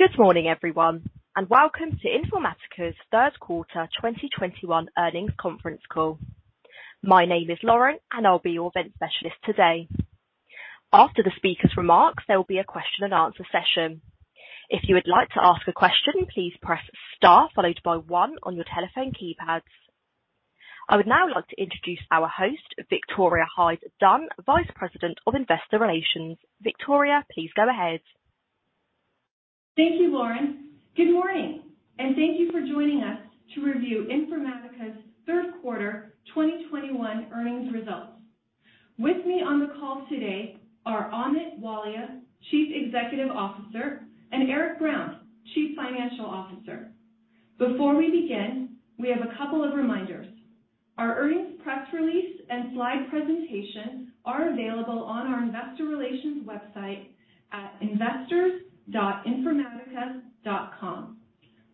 Good morning, everyone, and welcome to Informatica's Q3 2021 earnings conference call. My name is Lauren, and I'll be your event specialist today. After the speaker's remarks, there will be a question and answer session. If you would like to ask a question, please press star followed by one on your telephone keypads. I would now like to introduce our host, Victoria Hyde-Dunn, Vice President of Investor Relations. Victoria, please go ahead. Thank you, Lauren. Good morning, and thank you for joining us to review Informatica's Q3 2021 earnings results. With me on the call today are Amit Walia, Chief Executive Officer, and Eric Brown, Chief Financial Officer. Before we begin, we have a couple of reminders. Our earnings press release and slide presentation are available on our investor relations website at investors.informatica.com.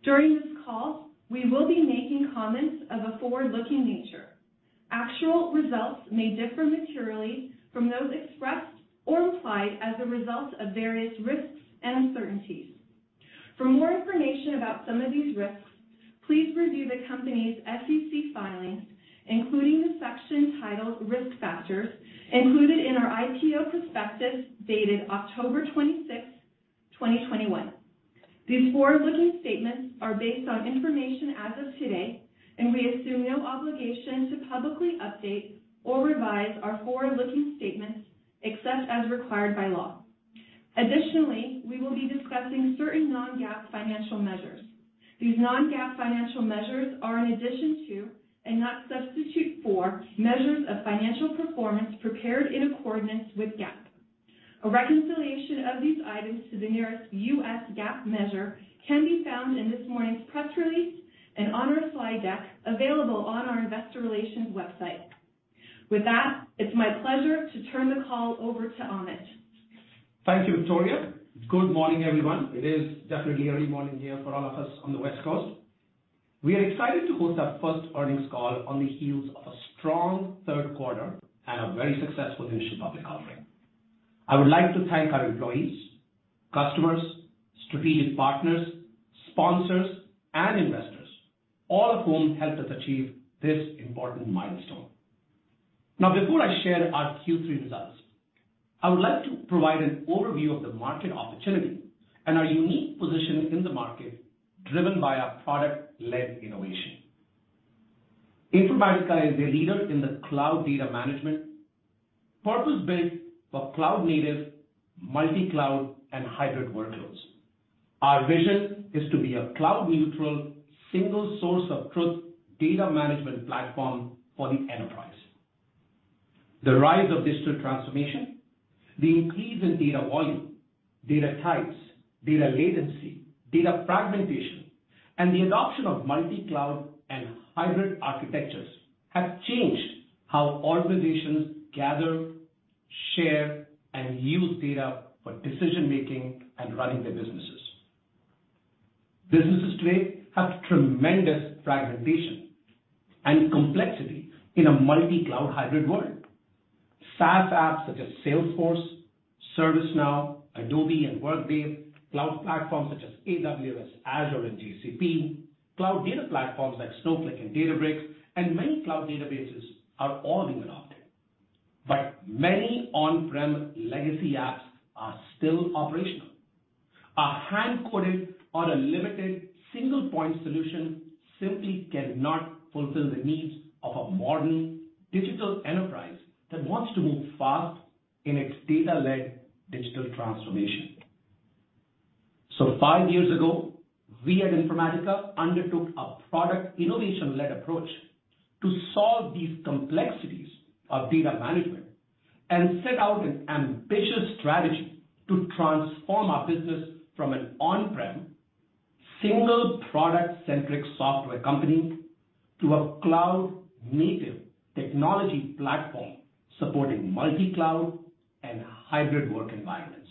During this call, we will be making comments of a forward-looking nature. Actual results may differ materially from those expressed or implied as a result of various risks and uncertainties. For more information about some of these risks, please review the company's SEC filings, including the section titled Risk Factors included in our IPO prospectus dated October 26, 2021. These forward-looking statements are based on information as of today, and we assume no obligation to publicly update or revise our forward-looking statements except as required by law. Additionally, we will be discussing certain non-GAAP financial measures. These non-GAAP financial measures are in addition to and not substitute for measures of financial performance prepared in accordance with GAAP. A reconciliation of these items to the nearest U.S. GAAP measure can be found in this morning's press release and on our slide deck available on our investor relations website. With that, it's my pleasure to turn the call over to Amit. Thank you, Victoria. Good morning, everyone. It is definitely early morning here for all of us on the West Coast. We are excited to host our first earnings call on the heels of a strong Q3 and a very successful initial public offering. I would like to thank our employees, customers, strategic partners, sponsors, and investors, all of whom helped us achieve this important milestone. Now, before I share our Q3 results, I would like to provide an overview of the market opportunity and our unique position in the market, driven by our product-led innovation. Informatica is a leader in the cloud data management, purpose-built for cloud native, multi-cloud and hybrid workloads. Our vision is to be a cloud neutral, single source of truth data management platform for the enterprise. The rise of digital transformation, the increase in data volume, data types, data latency, data fragmentation, and the adoption of multi-cloud and hybrid architectures have changed how organizations gather, share, and use data for decision making and running their businesses. Businesses today have tremendous fragmentation and complexity in a multi-cloud hybrid world. SaaS apps such as Salesforce, ServiceNow, Adobe and Workday, cloud platforms such as AWS, Azure and GCP, cloud data platforms like Snowflake and Databricks, and many cloud databases are all being adopted. Many on-prem legacy apps are still operational. A hand-coded or a limited single point solution simply cannot fulfill the needs of a modern digital enterprise that wants to move fast in its data-led digital transformation. Five years ago, we at Informatica undertook a product innovation-led approach to solve these complexities of data management and set out an ambitious strategy to transform our business from an on-prem, single product-centric software company to a cloud native technology platform supporting multi-cloud and hybrid work environments.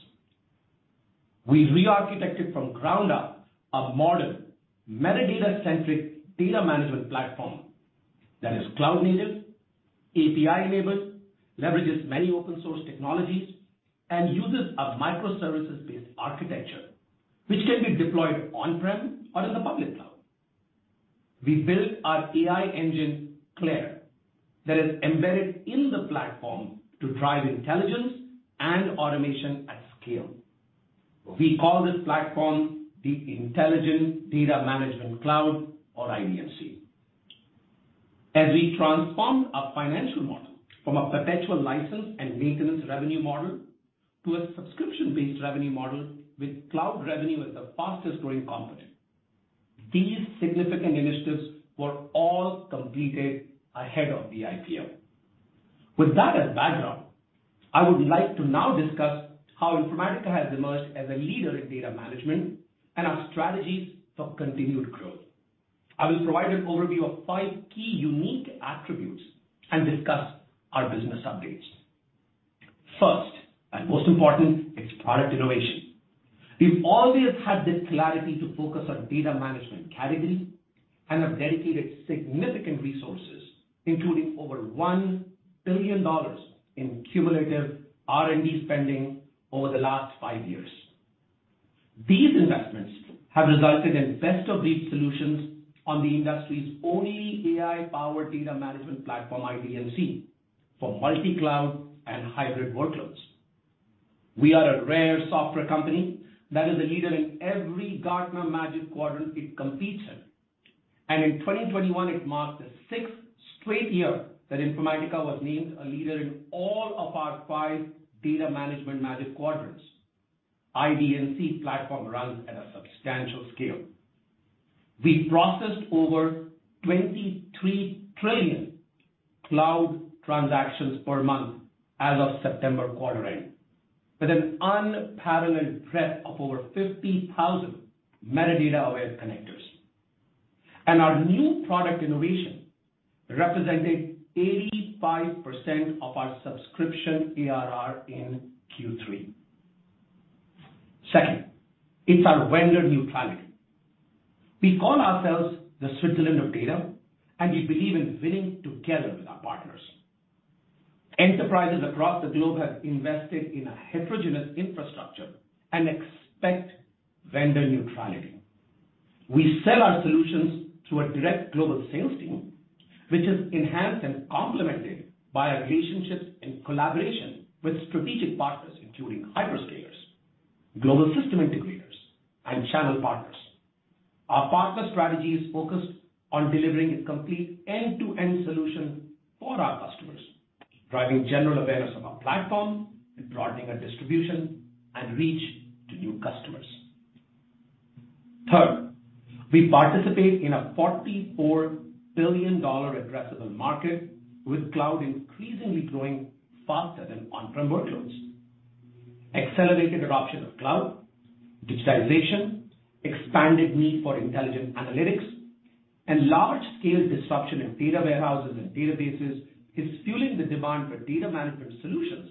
We re-architected from ground up a modern metadata-centric data management platform that is cloud native, API-enabled, leverages many open source technologies, and uses a micro-services based architecture which can be deployed on-prem or in the public cloud. We built our AI engine, CLAIRE, that is embedded in the platform to drive intelligence and automation at scale. We call this platform the Intelligent Data Management Cloud, or IDMC. As we transformed our financial model from a perpetual license and maintenance revenue model to a subscription-based revenue model with cloud revenue as the fastest growing component. These significant initiatives were all completed ahead of the IPO. With that as background, I would like to now discuss how Informatica has emerged as a leader in data management and our strategies for continued growth. I will provide an overview of 5 key unique attributes and discuss our business updates. First, and most important, is product innovation. We've always had the clarity to focus on data management category and have dedicated significant resources, including over $1 billion in cumulative R&D spending over the last 5 years. These investments have resulted in best-of-breed solutions on the industry's only AI-powered data management platform, IDMC, for multi-cloud and hybrid workloads. We are a rare software company that is a leader in every Gartner Magic Quadrant it competes in. In 2021, it marked the sixth straight year that Informatica was named a leader in all of our 5 data management Magic Quadrants. IDMC platform runs at a substantial scale. We processed over 23 trillion cloud transactions per month as of September quarter end, with an unparalleled breadth of over 50,000 metadata-aware connectors. Our new product innovation represented 85% of our subscription ARR in Q3. Second, it's our vendor neutrality. We call ourselves the Switzerland of data, and we believe in winning together with our partners. Enterprises across the globe have invested in a heterogeneous infrastructure and expect vendor neutrality. We sell our solutions through a direct global sales team, which is enhanced and complemented by our relationships and collaboration with strategic partners, including hyperscalers, global systems integrators, and channel partners. Our partner strategy is focused on delivering a complete end-to-end solution for our customers, driving general awareness of our platform and broadening our distribution and reach to new customers. Third, we participate in a $44 billion addressable market, with cloud increasingly growing faster than on-prem workloads. Accelerated adoption of cloud, digitalization, expanded need for intelligent analytics, and large-scale disruption in data warehouses and databases is fueling the demand for data management solutions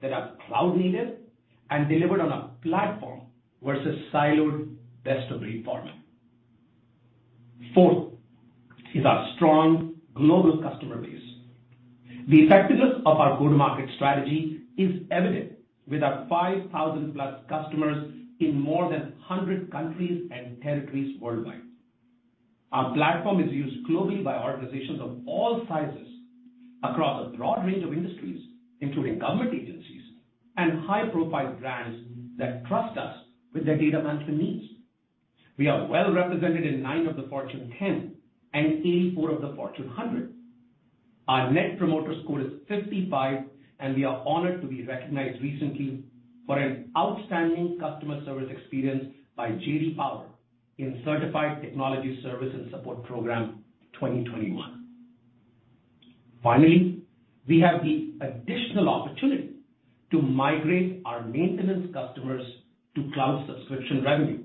that are cloud-native and delivered on a platform versus siloed best-of-breed format. Fourth is our strong global customer base. The effectiveness of our go-to-market strategy is evident with our 5,000+ customers in more than 100 countries and territories worldwide. Our platform is used globally by organizations of all sizes across a broad range of industries, including government agencies and high-profile brands that trust us with their data management needs. We are well represented in 9 of the Fortune 10 and 84 of the Fortune 100. Our net promoter score is 55, and we are honored to be recognized recently for an outstanding customer service experience by J.D. Power in Certified Technology Service and Support Program 2021. Finally, we have the additional opportunity to migrate our maintenance customers to cloud subscription revenue.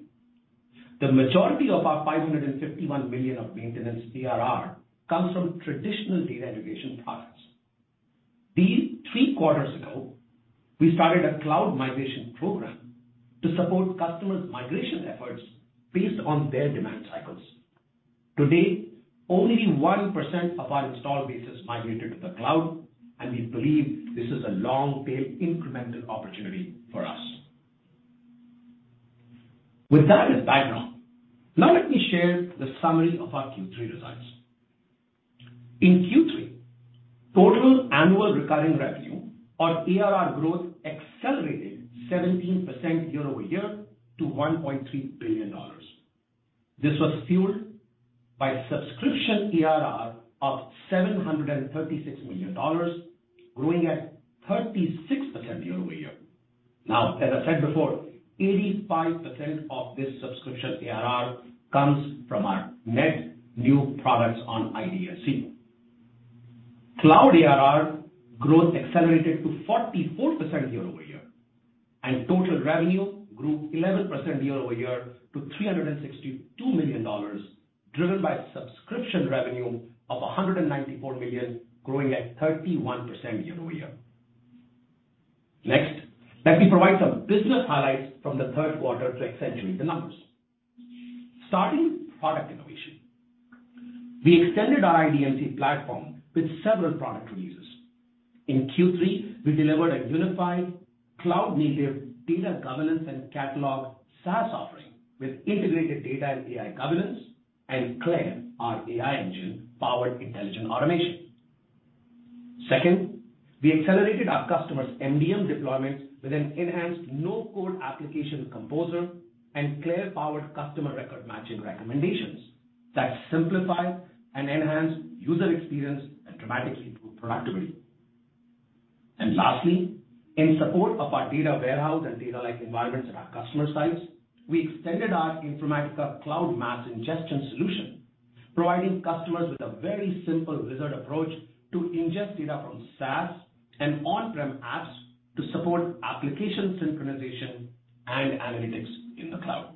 The majority of our $551 million of maintenance ARR comes from traditional data integration products. Three quarters ago, we started a cloud migration program to support customers' migration efforts based on their demand cycles. To date, only 1% of our installed base has migrated to the cloud, and we believe this is a long-tail incremental opportunity for us. With that as background, now let me share the summary of our Q3 results. In Q3, total annual recurring revenue or ARR growth accelerated 17% year-over-year to $1.3 billion. This was fueled by subscription ARR of $736 million, growing at 36% year-over-year. Now, as I said before, 85% of this subscription ARR comes from our net new products on IDMC. Cloud ARR growth accelerated to 44% year-over-year, and total revenue grew 11% year-over-year to $362 million, driven by subscription revenue of $194 million, growing at 31% year-over-year. Next, let me provide some business highlights from the Q3 to accentuate the numbers. Starting with product innovation. We extended our IDMC platform with several product releases. In Q3, we delivered a unified Cloud Data Governance and Catalog SaaS offering with integrated data and AI governance and CLAIRE, our AI engine-powered intelligent automation. Second, we accelerated our customers' MDM deployments with an enhanced no-code application composer and CLAIRE-powered customer record matching recommendations that simplify and enhance user experience and dramatically improve productivity. Lastly, in support of our data warehouse and data lake environments at our customer sites, we extended our Informatica Cloud Mass Ingestion solution, providing customers with a very simple wizard approach to ingest data from SaaS and on-prem apps to support application synchronization and analytics in the cloud.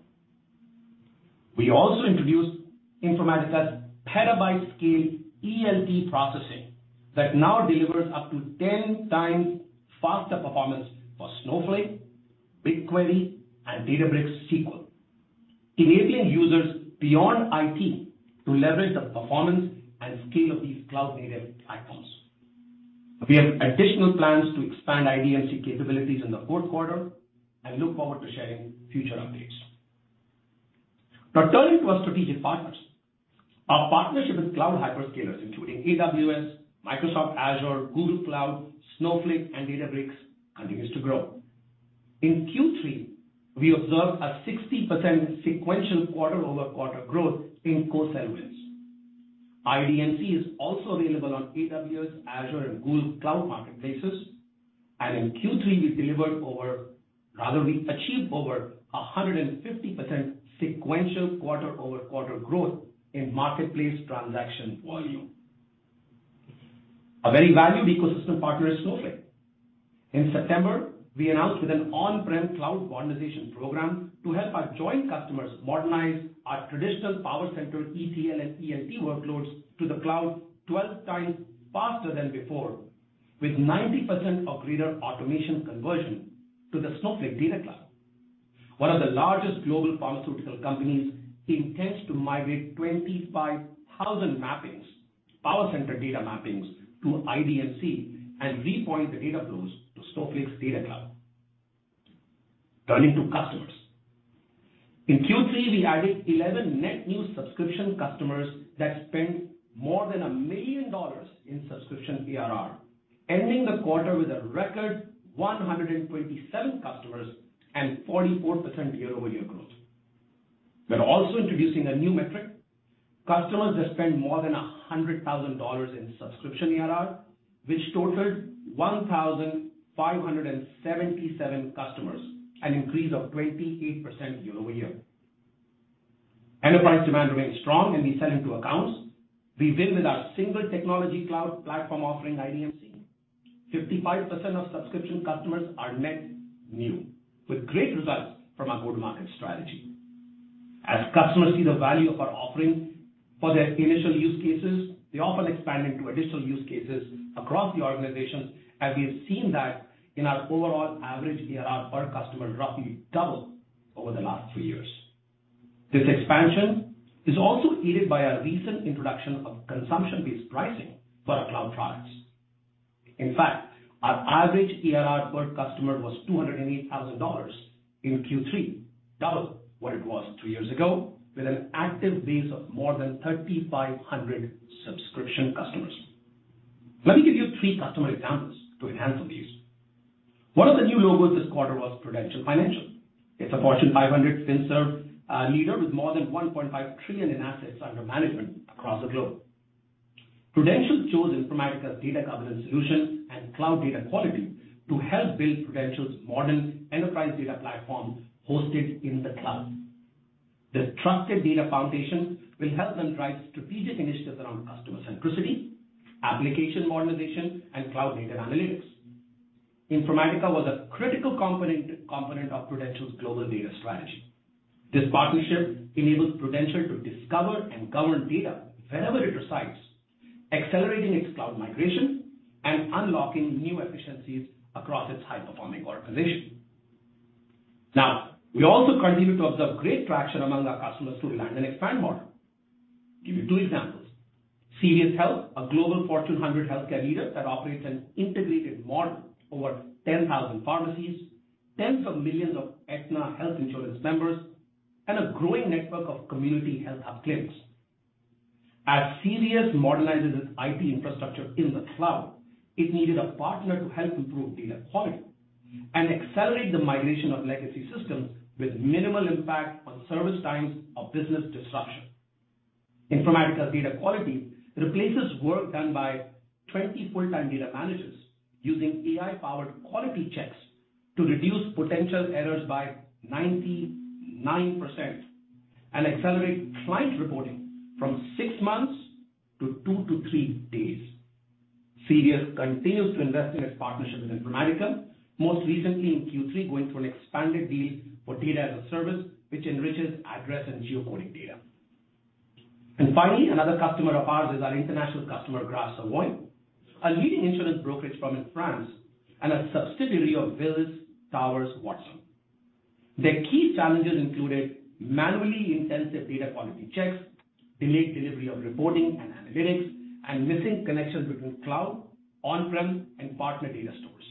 We also introduced Informatica's petabyte-scale ELT processing that now delivers up to 10 times faster performance for Snowflake, BigQuery, and Databricks SQL, enabling users beyond IT to leverage the performance and scale of these cloud-native platforms. We have additional plans to expand IDMC capabilities in the Q4 and look forward to sharing future updates. Now turning to our strategic partners. Our partnership with cloud hyperscalers, including AWS, Microsoft Azure, Google Cloud, Snowflake, and Databricks continues to grow. In Q3, we observed a 60% sequential quarter-over-quarter growth in core segments. IDMC is also available on AWS, Azure, and Google Cloud marketplaces, and in Q3, we achieved over a 150% sequential quarter-over-quarter growth in marketplace transaction volume. A very valued ecosystem partner is Snowflake. In September, we announced with an on-prem cloud modernization program to help our joint customers modernize our traditional PowerCenter ETL and EIT workloads to the cloud 12 times faster than before, with 90% greater automation conversion to the Snowflake Data Cloud. One of the largest global pharmaceutical companies intends to migrate 25,000 mappings, PowerCenter data mappings, to IDMC and repoint the data flows to Snowflake Data Cloud. Turning to customers. In Q3, we added 11 net new subscription customers that spent more than $1 million in subscription ARR, ending the quarter with a record 127 customers and 44% year-over-year growth. We're also introducing a new metric, customers that spend more than $100,000 in subscription ARR, which totaled 1,577 customers, an increase of 28% year-over-year. Enterprise demand remains strong in the selling to accounts. We win with our single technology cloud platform offering IDMC. 55% of subscription customers are net new with great results from our go-to-market strategy. As customers see the value of our offering for their initial use cases, they often expand into additional use cases across the organization, as we have seen that in our overall average ARR per customer roughly double over the last two years. This expansion is also aided by our recent introduction of consumption-based pricing for our cloud products. In fact, our average ARR per customer was $208,000 in Q3, double what it was two years ago, with an active base of more than 3,500 subscription customers. Let me give you three customer examples to enhance the views. One of the new logos this quarter was Prudential Financial. It's a Fortune 500 FinServ leader with more than $1.5 trillion in assets under management across the globe. Prudential chose Informatica's data governance solution and cloud data quality to help build Prudential's modern enterprise data platform hosted in the cloud. This trusted data foundation will help them drive strategic initiatives around customer centricity, application modernization, and cloud data analytics. Informatica was a critical component of Prudential's global data strategy. This partnership enables Prudential to discover and govern data wherever it resides, accelerating its cloud migration and unlocking new efficiencies across its high-performing organization. Now, we also continue to observe great traction among our customers who land and expand model. Give you two examples. CVS Health, a global Fortune 100 healthcare leader that operates an integrated model over 10,000 pharmacies, tens of millions of Aetna health insurance members, and a growing network of community health clinics. As CVS modernizes its IT infrastructure in the cloud, it needed a partner to help improve data quality and accelerate the migration of legacy systems with minimal impact on service times or business disruption. Informatica's data quality replaces work done by 20 full-time data managers using AI-powered quality checks to reduce potential errors by 99% and accelerate client reporting from 6 months to 2 to 3 days. CVS continues to invest in its partnership with Informatica, most recently in Q3, going for an expanded deal for data as a service, which enriches address and geocoding data. Finally, another customer of ours is our international customer, Gras Savoye, a leading insurance brokerage firm in France and a subsidiary of Willis Towers Watson. Their key challenges included manually intensive data quality checks, delayed delivery of reporting and analytics, and missing connections between cloud, on-prem, and partner data stores.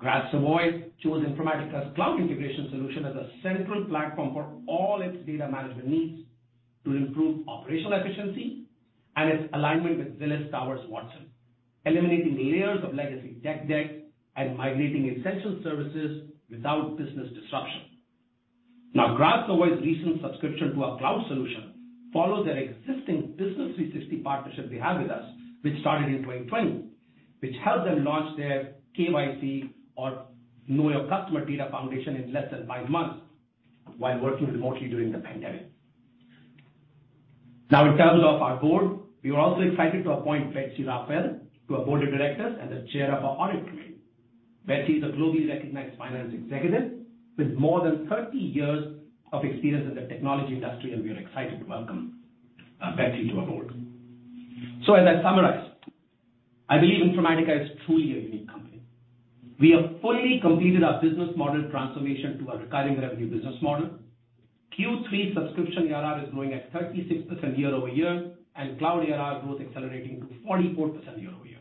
Gras Savoye chose Informatica's cloud integration solution as a central platform for all its data management needs to improve operational efficiency and its alignment with Willis Towers Watson, eliminating layers of legacy tech debt and migrating essential services without business disruption. Now, Gras Savoye's recent subscription to our cloud solution follows their existing Business 360 partnership they have with us, which started in 2020, which helped them launch their KYC or Know Your Customer data foundation in less than 5 months while working remotely during the pandemic. Now in terms of our board, we are also excited to appoint Betsy Rafael to our board of directors and the chair of our audit committee. Betsy is a globally recognized finance executive with more than 30 years of experience in the technology industry, and we are excited to welcome, Betsy to our board. As I summarize, I believe Informatica is truly a unique company. We have fully completed our business model transformation to a recurring revenue business model. Q3 subscription ARR is growing at 36% year-over-year, and cloud ARR growth accelerating to 44% year-over-year.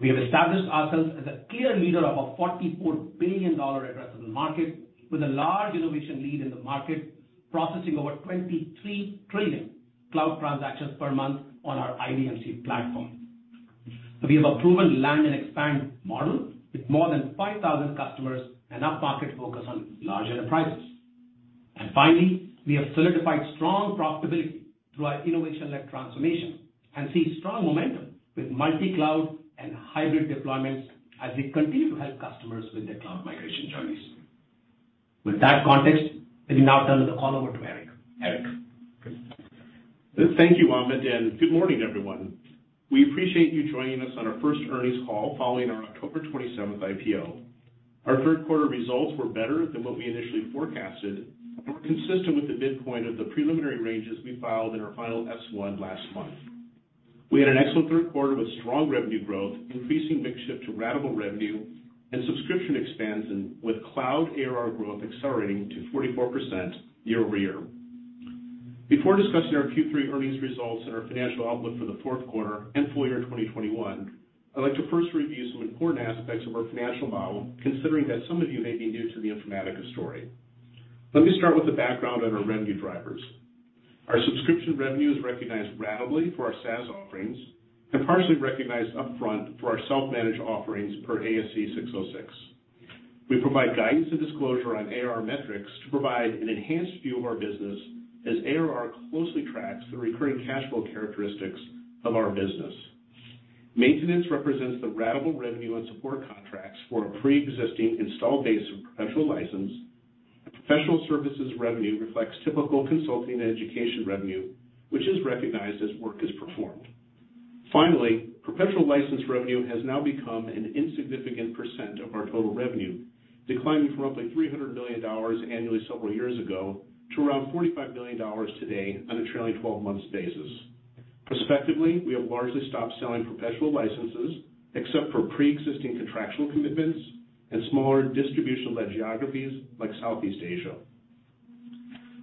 We have established ourselves as a clear leader of a $44 billion addressable market with a large innovation lead in the market, processing over 23 trillion cloud transactions per month on our IDMC platform. We have a proven land and expand model with more than 5,000 customers and up-market focus on large enterprises. Finally, we have solidified strong profitability through our innovation-led transformation and see strong momentum with multi-cloud and hybrid deployments as we continue to help customers with their cloud migration journeys. With that context, let me now turn the call over to Eric. Eric? Thank you, Amit, and good morning, everyone. We appreciate you joining us on our first earnings call following our October 27th IPO. Our Q3 results were better than what we initially forecasted and were consistent with the midpoint of the preliminary ranges we filed in our final S-1 last month. We had an excellent Q3 with strong revenue growth, increasing mix shift to ratable revenue and subscription expansion with cloud ARR growth accelerating to 44% year-over-year. Before discussing our Q3 earnings results and our financial outlook for the Q4 and full year 2021, I'd like to first review some important aspects of our financial model, considering that some of you may be new to the Informatica story. Let me start with the background on our revenue drivers. Our subscription revenue is recognized ratably for our SaaS offerings and partially recognized upfront for our self-managed offerings per ASC 606. We provide guidance and disclosure on ARR metrics to provide an enhanced view of our business as ARR closely tracks the recurring cash flow characteristics of our business. Maintenance represents the ratable revenue and support contracts for a pre-existing installed base of perpetual license. Our professional services revenue reflects typical consulting and education revenue, which is recognized as work is performed. Finally, perpetual license revenue has now become an insignificant % of our total revenue, declining from roughly $300 million annually several years ago to around $45 million today on a trailing twelve months basis. Prospectively, we have largely stopped selling perpetual licenses except for pre-existing contractual commitments and smaller distribution-led geographies like Southeast Asia.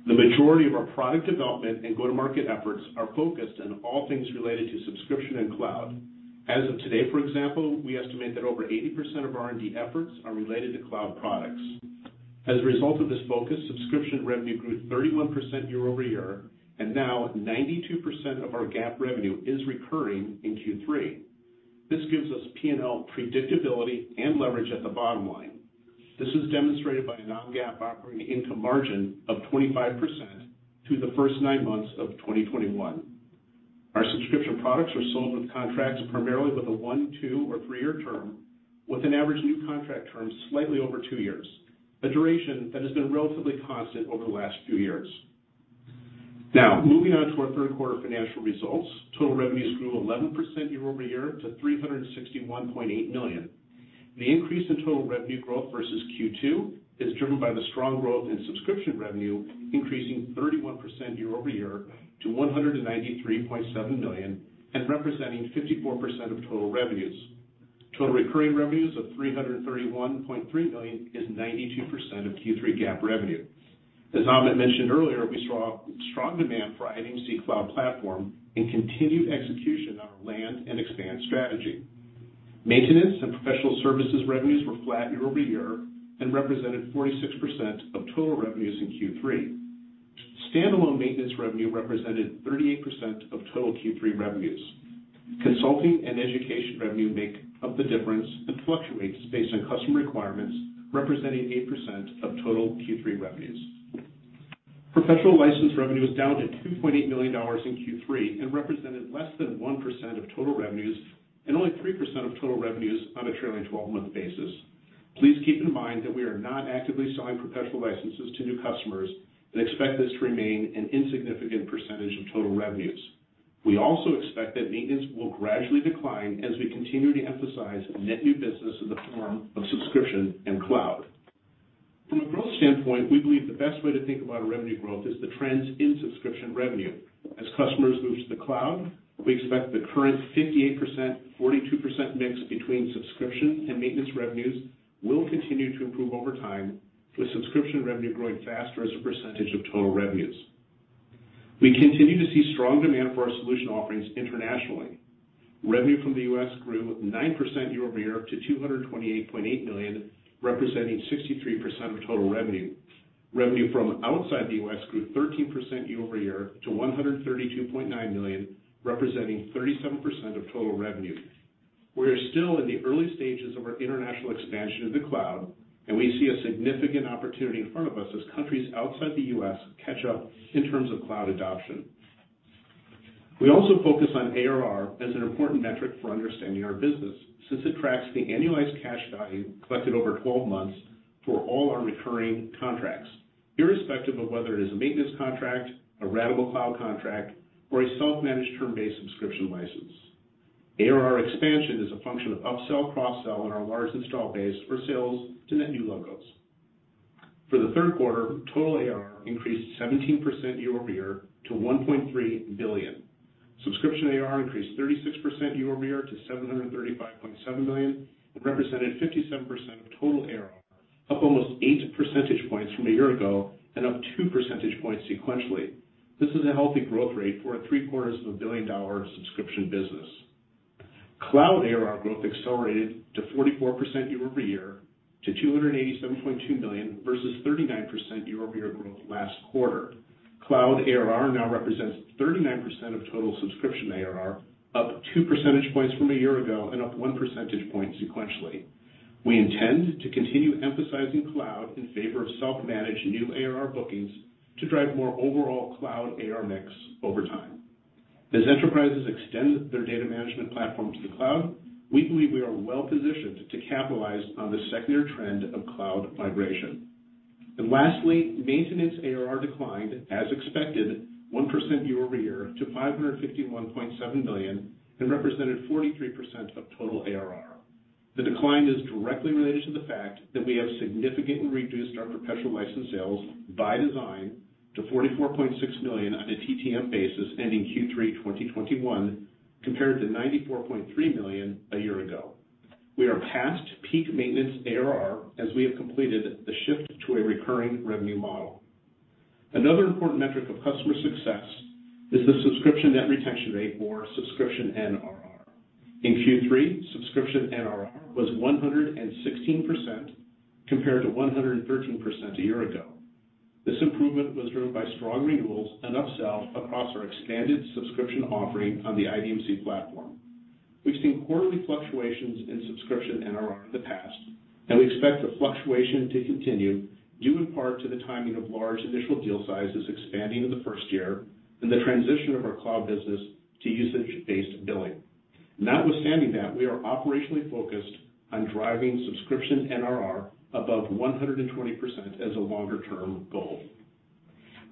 The majority of our product development and go-to-market efforts are focused on all things related to subscription and cloud. As of today, for example, we estimate that over 80% of R&D efforts are related to cloud products. As a result of this focus, subscription revenue grew 31% year over year, and now 92% of our GAAP revenue is recurring in Q3. This gives us P&L predictability and leverage at the bottom line. This is demonstrated by a non-GAAP operating income margin of 25% through the first 9 months of 2021. Our subscription products are sold with contracts primarily with a 1-, 2- or 3-year term, with an average new contract term slightly over 2 years, a duration that has been relatively constant over the last few years. Now, moving on to our Q3 financial results. Total revenues grew 11% year-over-year to $361.8 million. The increase in total revenue growth versus Q2 is driven by the strong growth in subscription revenue, increasing 31% year-over-year to $193.7 million, and representing 54% of total revenues. Total recurring revenues of $331.3 million is 92% of Q3 GAAP revenue. As Amit mentioned earlier, we saw strong demand for IDMC Cloud platform and continued execution on our land and expand strategy. Maintenance and professional services revenues were flat year-over-year and represented 46% of total revenues in Q3. Standalone maintenance revenue represented 38% of total Q3 revenues. Consulting and education revenue make up the difference and fluctuates based on customer requirements, representing 8% of total Q3 revenues. Professional license revenue is down to $2.8 million in Q3 and represented less than 1% of total revenues and only 3% of total revenues on a trailing twelve-month basis. Please keep in mind that we are not actively selling perpetual licenses to new customers and expect this to remain an insignificant percentage of total revenues. We also expect that maintenance will gradually decline as we continue to emphasize net new business in the form of subscription and cloud. From a growth standpoint, we believe the best way to think about our revenue growth is the trends in subscription revenue. As customers move to the cloud, we expect the current 58%, 42% mix between subscription and maintenance revenues will continue to improve over time, with subscription revenue growing faster as a percentage of total revenues. We continue to see strong demand for our solution offerings internationally. Revenue from the U.S. grew 9% year-over-year to $228.8 million, representing 63% of total revenue. Revenue from outside the U.S. grew 13% year-over-year to $132.9 million, representing 37% of total revenue. We are still in the early stages of our international expansion in the cloud, and we see a significant opportunity in front of us as countries outside the U.S. catch up in terms of cloud adoption. We also focus on ARR as an important metric for understanding our business, since it tracks the annualized cash value collected over 12 months for all our recurring contracts, irrespective of whether it is a maintenance contract, a ratable cloud contract, or a self-managed term-based subscription license. ARR expansion is a function of upsell, cross-sell on our large install base for sales to net new logos. For the Q3, total ARR increased 17% year-over-year to $1.3 billion. Subscription ARR increased 36% year-over-year to $735.7 million and represented 57% of total ARR, up almost 8 percentage points from a year ago and up 2 percentage points sequentially. This is a healthy growth rate for a three-quarters of a billion-dollar subscription business. Cloud ARR growth accelerated to 44% year-over-year to $287.2 million versus 39% year-over-year growth last quarter. Cloud ARR now represents 39% of total subscription ARR, up 2 percentage points from a year ago and up 1 percentage point sequentially. We intend to continue emphasizing cloud in favor of self-managed new ARR bookings to drive more overall cloud ARR mix over time. As enterprises extend their data management platform to the cloud, we believe we are well-positioned to capitalize on the secular trend of cloud migration. Lastly, maintenance ARR declined, as expected, 1% year-over-year to $551.7 million and represented 43% of total ARR. The decline is directly related to the fact that we have significantly reduced our perpetual license sales by design to $44.6 million on a TTM basis ending Q3 2021 compared to $94.3 million a year ago. We are past peak maintenance ARR as we have completed the shift to a recurring revenue model. Another important metric of customer success is the subscription net retention rate, or subscription NRR. In Q3, subscription NRR was 116% compared to 113% a year ago. This improvement was driven by strong renewals and upsells across our expanded subscription offering on the IDMC platform. We've seen quarterly fluctuations in subscription NRR in the past, and we expect the fluctuation to continue due in part to the timing of large initial deal sizes expanding in the first year and the transition of our cloud business to usage-based billing. Notwithstanding that, we are operationally focused on driving subscription NRR above 120% as a longer-term goal.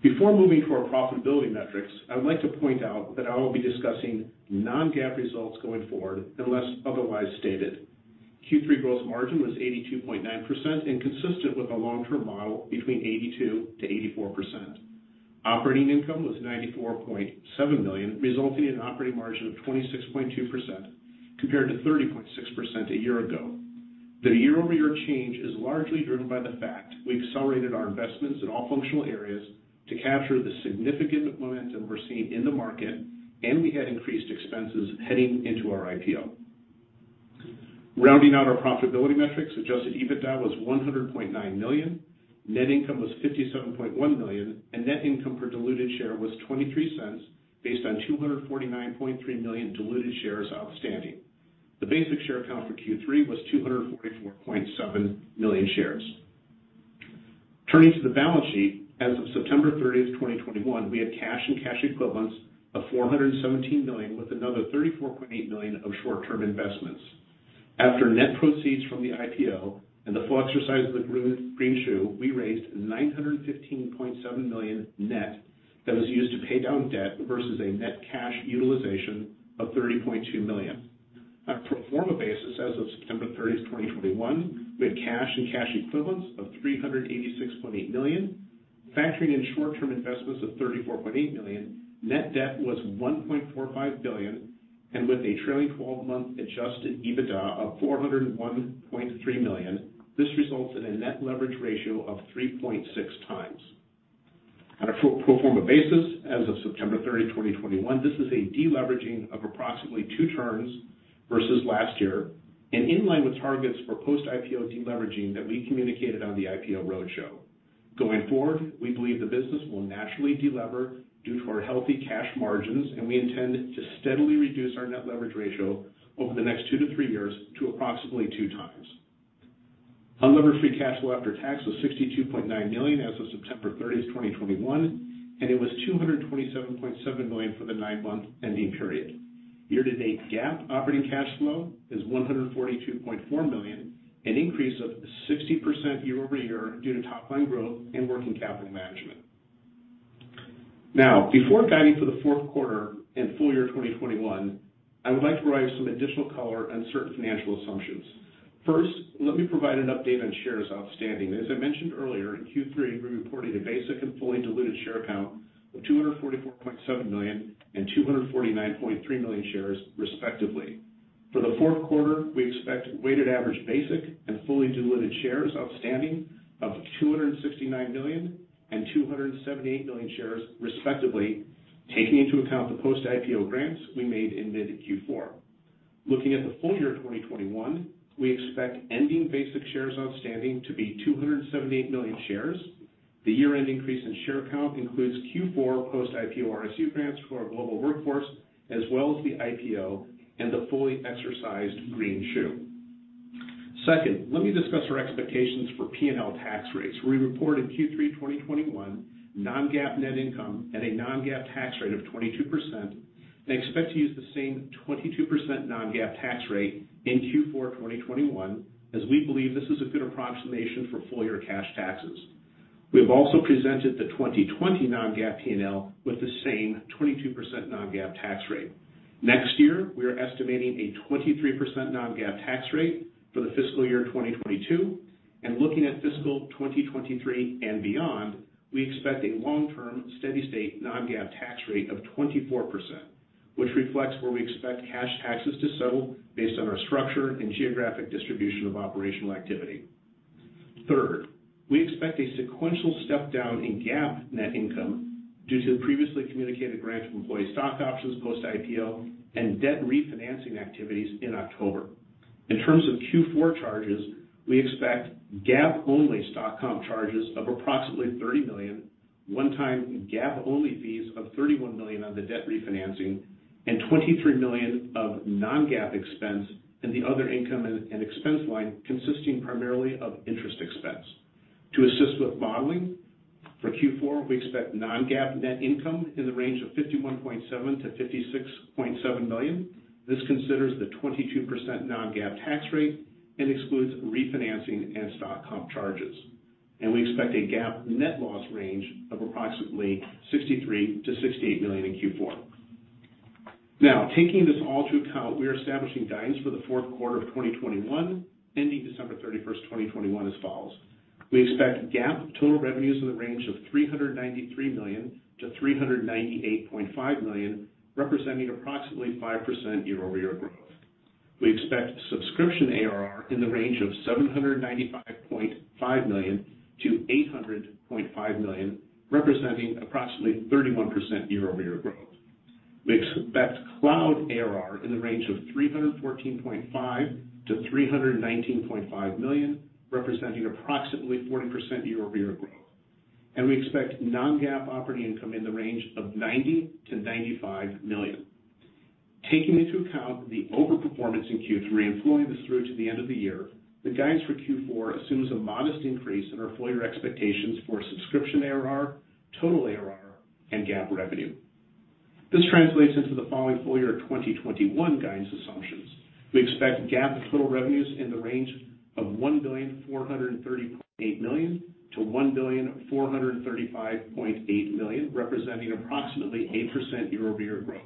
Before moving to our profitability metrics, I would like to point out that I will be discussing non-GAAP results going forward unless otherwise stated. Q3 gross margin was 82.9% consistent with a long-term model between 82%-84%. Operating income was $94.7 million, resulting in operating margin of 26.2% compared to 30.6% a year ago. The year-over-year change is largely driven by the fact we've accelerated our investments in all functional areas to capture the significant momentum we're seeing in the market, and we had increased expenses heading into our IPO. Rounding out our profitability metrics, adjusted EBITDA was $100.9 million, net income was $57.1 million, and net income per diluted share was $0.23 based on 249.3 million diluted shares outstanding. The basic share count for Q3 was 244.7 million shares. Turning to the balance sheet, as of September 30, 2021, we had cash and cash equivalents of $417 million with another $34.8 million of short-term investments. After net proceeds from the IPO and the full exercise of the greenshoe, we raised $915.7 million net that was used to pay down debt versus a net cash utilization of $30.2 million. On a pro forma basis, as of September 30, 2021, we had cash and cash equivalents of $386.8 million. Factoring in short-term investments of $34.8 million, net debt was $1.45 billion, and with a trailing twelve-month adjusted EBITDA of $401.3 million, this results in a net leverage ratio of 3.6x. On a pro forma basis, as of September 30, 2021, this is a deleveraging of approximately two turns versus last year and in line with targets for post-IPO deleveraging that we communicated on the IPO roadshow. Going forward, we believe the business will naturally delever due to our healthy cash margins, and we intend to steadily reduce our net leverage ratio over the next two to three years to approximately two times. Unlevered free cash flow after tax was $62.9 million as of September 30, 2021, and it was $227.7 million for the nine-month ending period. Year-to-date GAAP operating cash flow is $142.4 million, an increase of 60% year-over-year due to top-line growth and working capital management. Now, before guiding for the Q4 and full year 2021, I would like to provide some additional color on certain financial assumptions. First, let me provide an update on shares outstanding. As I mentioned earlier, in Q3, we reported a basic and fully diluted share count of 244.7 million and 249.3 million shares, respectively. For the Q4, we expect weighted average basic and fully diluted shares outstanding of 269 million and 278 million shares, respectively, taking into account the post-IPO grants we made in mid Q4. Looking at the full year 2021, we expect ending basic shares outstanding to be 278 million shares. The year-end increase in share count includes Q4 post-IPO RSU grants for our global workforce, as well as the IPO, and the fully exercised greenshoe. Second, let me discuss our expectations for P&L tax rates. We reported Q3 2021 non-GAAP net income at a non-GAAP tax rate of 22% and expect to use the same 22% non-GAAP tax rate in Q4 2021, as we believe this is a good approximation for full-year cash taxes. We have also presented the 2020 non-GAAP P&L with the same 22% non-GAAP tax rate. Next year, we are estimating a 23% non-GAAP tax rate for the fiscal year 2022. Looking at fiscal 2023 and beyond, we expect a long-term steady-state non-GAAP tax rate of 24%, which reflects where we expect cash taxes to settle based on our structure and geographic distribution of operational activity. Third, we expect a sequential step down in GAAP net income due to the previously communicated grant of employee stock options post-IPO and debt refinancing activities in October. In terms of Q4 charges, we expect GAAP-only stock comp charges of approximately $30 million, one time GAAP-only fees of $31 million on the debt refinancing and $23 million of non-GAAP expense in the other income and expense line consisting primarily of interest expense. To assist with modeling, for Q4, we expect non-GAAP net income in the range of $51.7 million-$56.7 million. This considers the 22% non-GAAP tax rate and excludes refinancing and stock comp charges. We expect a GAAP net loss range of approximately $63 million-$68 million in Q4. Now, taking this all to account, we are establishing guidance for the Q4 of 2021 ending December 31, 2021 as follows: We expect GAAP total revenues in the range of $393 million-$398.5 million, representing approximately 5% year-over-year growth. We expect subscription ARR in the range of $795.5 million-$800.5 million, representing approximately 31% year-over-year growth. We expect cloud ARR in the range of $314.5 million-$319.5 million, representing approximately 40% year-over-year growth. We expect non-GAAP operating income in the range of $90 million-$95 million. Taking into account the overperformance in Q3 and flowing this through to the end of the year, the guidance for Q4 assumes a modest increase in our full-year expectations for subscription ARR, total ARR and GAAP revenue. This translates into the following full-year 2021 guidance assumptions. We expect GAAP total revenues in the range of $1,430.8 million-$1,435.8 million, representing approximately 8% year-over-year growth.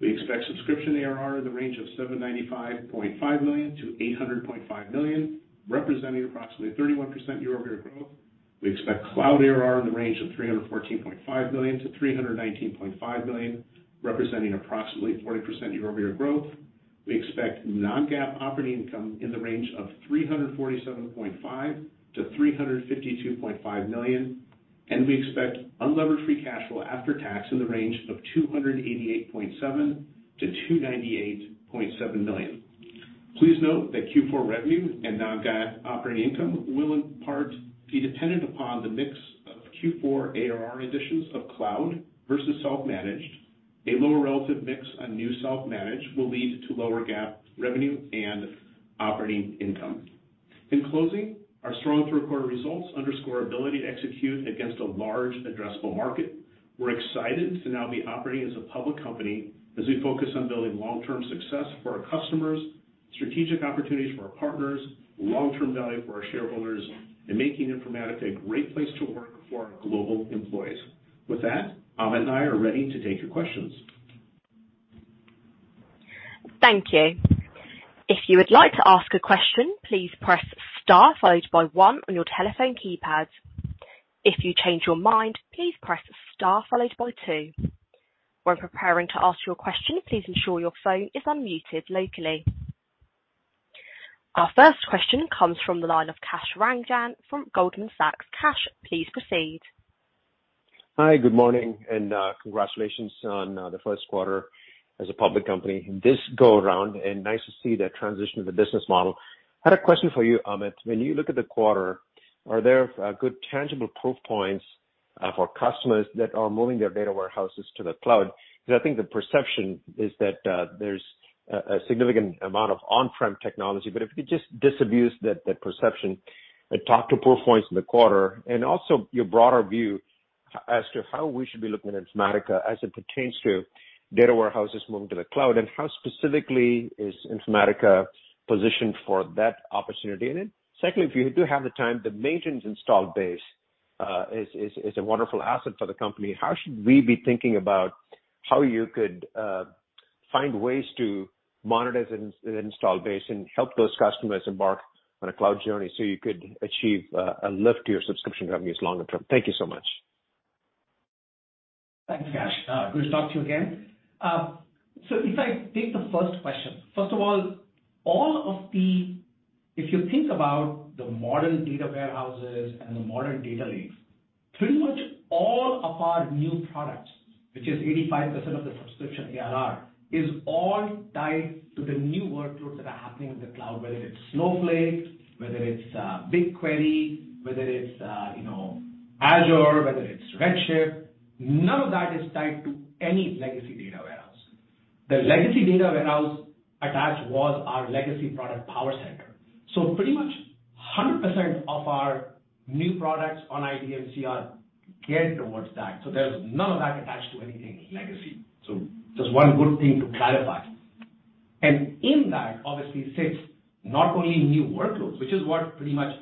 We expect subscription ARR in the range of $795.5 million-$800.5 million, representing approximately 31% year-over-year growth. We expect cloud ARR in the range of $314.5 million-$319.5 million, representing approximately 40% year-over-year growth. We expect non-GAAP operating income in the range of $347.5 million-$352.5 million, and we expect unlevered free cash flow after tax in the range of $288.7 million-$298.7 million. Please note that Q4 revenue and non-GAAP operating income will in part be dependent upon the mix of Q4 ARR additions of cloud versus self-managed. A lower relative mix on new self-managed will lead to lower GAAP revenue and operating income. In closing, our strong Q3 results underscore our ability to execute against a large addressable market. We're excited to now be operating as a public company as we focus on building long-term success for our customers, strategic opportunities for our partners, long-term value for our shareholders, and making Informatica a great place to work for our global employees. With that, Amit and I are ready to take your questions. Thank you. If you would like to ask a question, please press star followed by one on your telephone keypad. If you change your mind, please press star followed by two. When preparing to ask your question, please ensure your phone is unmuted locally. Our first question comes from the line of Kash Rangan from Goldman Sachs. Kash, please proceed. Hi, good morning, and congratulations on the Q1 as a public company this go around and nice to see the transition of the business model. I had a question for you, Amit. When you look at the quarter, are there good tangible proof points for customers that are moving their data warehouses to the cloud? Because I think the perception is that there's a significant amount of on-prem technology, but if you could just disabuse that perception and talk to proof points in the quarter and also your broader view as to how we should be looking at Informatica as it pertains to data warehouses moving to the cloud, and how specifically is Informatica positioned for that opportunity? Secondly, if you do have the time, the maintenance installed base is a wonderful asset for the company. How should we be thinking about how you could find ways to monetize an install base and help those customers embark on a cloud journey so you could achieve a lift to your subscription revenues longer term? Thank you so much. Thanks, Kash. Good to talk to you again. If I take the first question, first of all, if you think about the modern data warehouses and the modern data lakes, pretty much all of our new products, which is 85% of the subscription ARR, is all tied to the new workloads that are happening in the cloud, whether it's Snowflake, whether it's BigQuery, whether it's, you know, Azure, whether it's Redshift. None of that is tied to any legacy data warehouse. The legacy data warehouse attach was our legacy product PowerCenter. Pretty much 100% of our new products on IDMC are geared towards that. There's none of that attached to anything legacy. Just one good thing to clarify. In that obviously sits not only new workloads, which is what pretty much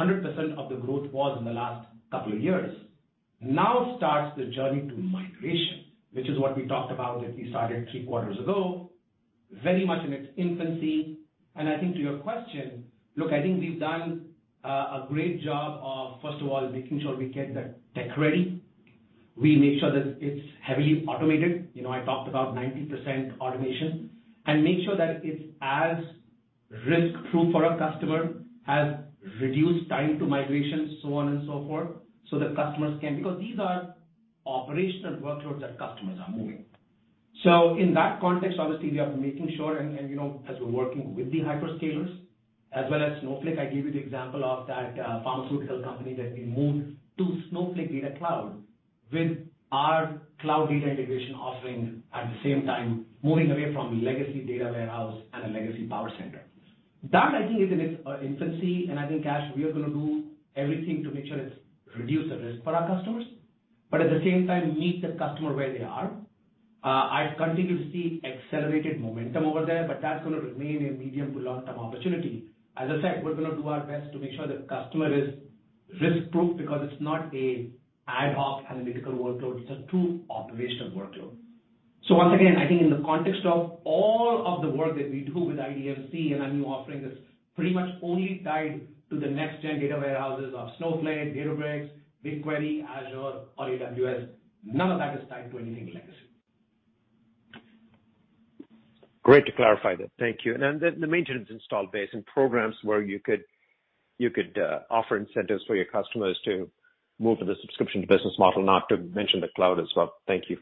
100% of the growth was in the last couple of years. Now starts the journey to migration, which is what we talked about that we started 3 quarters ago, very much in its infancy. I think to your question, look, I think we've done a great job of, first of all, making sure we get the tech ready. We make sure that it's heavily automated. You know, I talked about 90% automation. Make sure that it's as risk-proof for our customer, has reduced time to migration, so on and so forth, so that customers can, because these are operational workloads that customers are moving. In that context, obviously, we are making sure, you know, as we're working with the hyperscalers as well as Snowflake, I gave you the example of that pharmaceutical company that we moved to Snowflake Data Cloud with our cloud data integration offering at the same time, moving away from legacy data warehouse and a legacy PowerCenter. That, I think, is in its infancy, and I think, Kash, we are gonna do everything to make sure it's reduced the risk for our customers, but at the same time, meet the customer where they are. I continue to see accelerated momentum over there, but that's gonna remain a medium to long-term opportunity. As I said, we're gonna do our best to make sure the customer is risk-proof because it's not an ad hoc analytical workload, it's a true operational workload. Once again, I think in the context of all of the work that we do with IDMC and a new offering that's pretty much only tied to the next gen data warehouses of Snowflake, Databricks, BigQuery, Azure or AWS, none of that is tied to anything less. Great to clarify that. Thank you. The maintenance install base and programs where you could offer incentives for your customers to move to the subscription business model, not to mention the cloud as well. Thank you.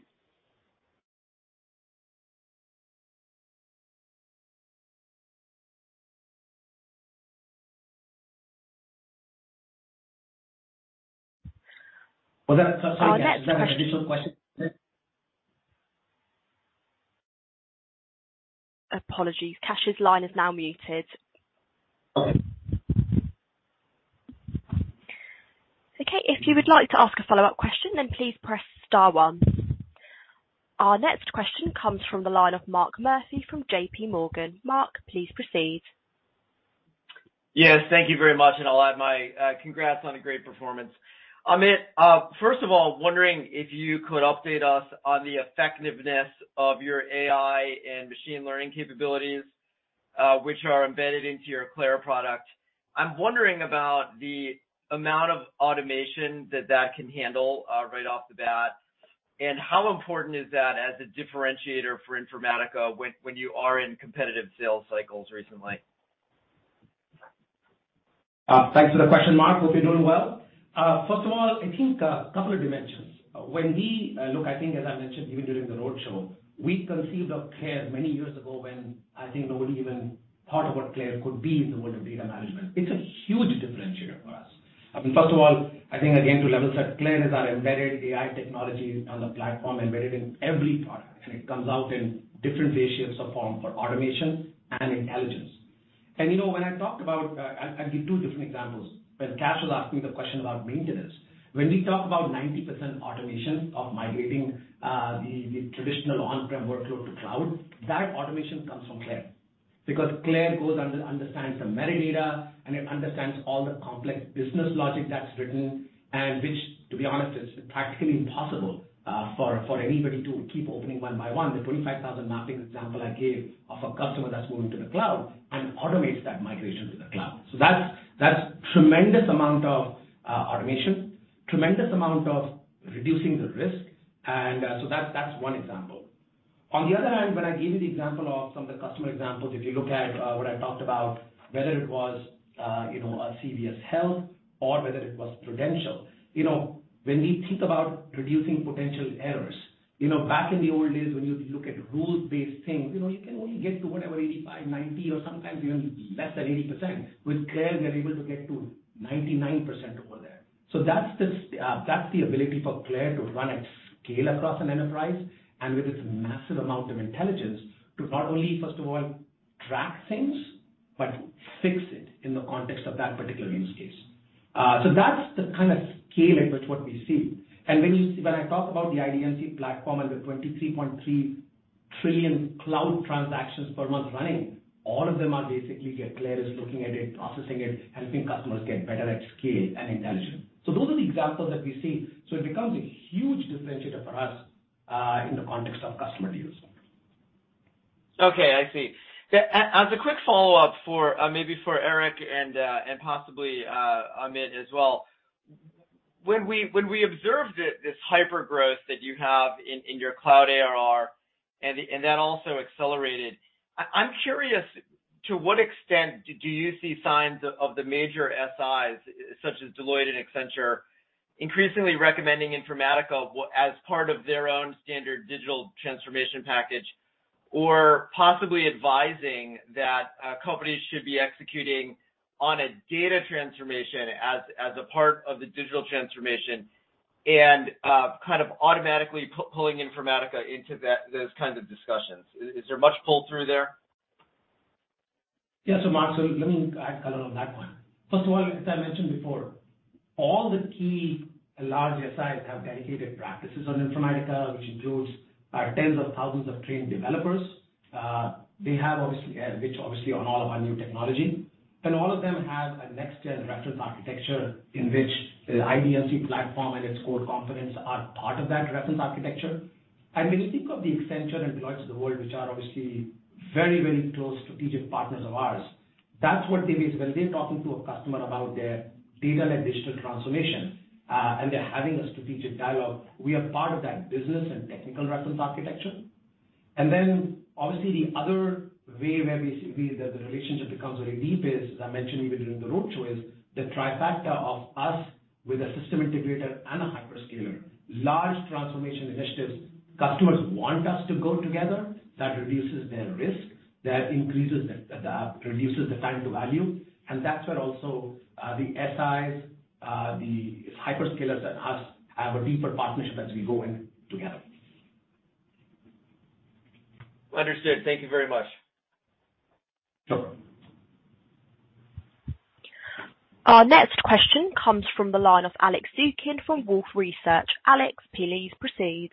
Apologies. Kash's line is now muted. Our next question comes from the line of Mark Murphy from JPMorgan. Mark, please proceed. Yes. Thank you very much, and I'll add my congrats on a great performance. Amit, first of all, I'm wondering if you could update us on the effectiveness of your AI and machine learning capabilities, which are embedded into your CLAIRE product. I'm wondering about the amount of automation that can handle, right off the bat, and how important is that as a differentiator for Informatica when you are in competitive sales cycles recently? Thanks for the question, Mark. Hope you're doing well. First of all, I think a couple of dimensions. I think as I mentioned even during the roadshow, we conceived of CLAIRE many years ago when I think nobody even thought of what CLAIRE could be in the world of data management. It's a huge differentiator for us. I mean, first of all, I think again, to level set, CLAIRE is our embedded AI technology on the platform, embedded in every product, and it comes out in different ratios or form for automation and intelligence. You know, when I talked about, I'll give two different examples. When Kash was asking the question about maintenance, when we talk about 90% automation of migrating the traditional on-prem workload to cloud, that automation comes from CLAIRE. Because CLAIRE understands the metadata and it understands all the complex business logic that's written and which, to be honest, is practically impossible for anybody to keep opening one by one, the 25,000 mapping example I gave of a customer that's moving to the cloud and automates that migration to the cloud. That's a tremendous amount of automation, a tremendous amount of reducing the risk. That's one example. On the other hand, when I gave you the example of some of the customer examples, if you look at what I talked about, whether it was you know a CVS Health or whether it was Prudential, you know, when we think about reducing potential errors, you know, back in the old days, when you look at rules-based things, you know, you can only get to whatever 85, 90 or sometimes even less than 80%. With CLAIRE, we are able to get to 99% over there. That's the ability for CLAIRE to run at scale across an enterprise and with its massive amount of intelligence to not only first of all track things but fix it in the context of that particular use case. That's the kind of scaling with what we see. When you. When I talk about the IDMC platform and the 23.3 trillion cloud transactions per month running, all of them are basically CLAIRE is looking at it, processing it, helping customers get better at scale and intelligence. Those are the examples that we see. It becomes a huge differentiator for us in the context of customer use. As a quick follow-up, maybe for Eric and possibly Amit as well. When we observed this hypergrowth that you have in your cloud ARR, and that also accelerated, I'm curious, to what extent do you see signs of the major SIs such as Deloitte and Accenture increasingly recommending Informatica as part of their own standard digital transformation package or possibly advising that companies should be executing on a data transformation as a part of the digital transformation and kind of automatically pulling Informatica into those kinds of discussions? Is there much pull through there? Yeah. Mark, let me add color on that one. First of all, as I mentioned before, all the key large SIs have dedicated practices on Informatica, which includes tens of thousands of trained developers on all of our new technology. All of them have a next-gen reference architecture in which the IDMC platform and its core components are part of that reference architecture. When you think of the Accenture and Deloitte of the world, which are obviously very, very close strategic partners of ours, that's what it is. When they're talking to a customer about their data and digital transformation, and they're having a strategic dialogue, we are part of that business and technical reference architecture. Obviously, the other way where we see the relationship becomes really deep is, as I mentioned even during the roadshow, the trifecta of us with a systems integrator and a hyperscaler. In large transformation initiatives, customers want us to go together. That reduces their risk, that reduces the time to value. That's where also the SIs, the hyperscalers and us have a deeper partnership as we go in together. Understood. Thank you very much. Our next question comes from the line of Alex Zukin from Wolfe Research. Alex, please proceed.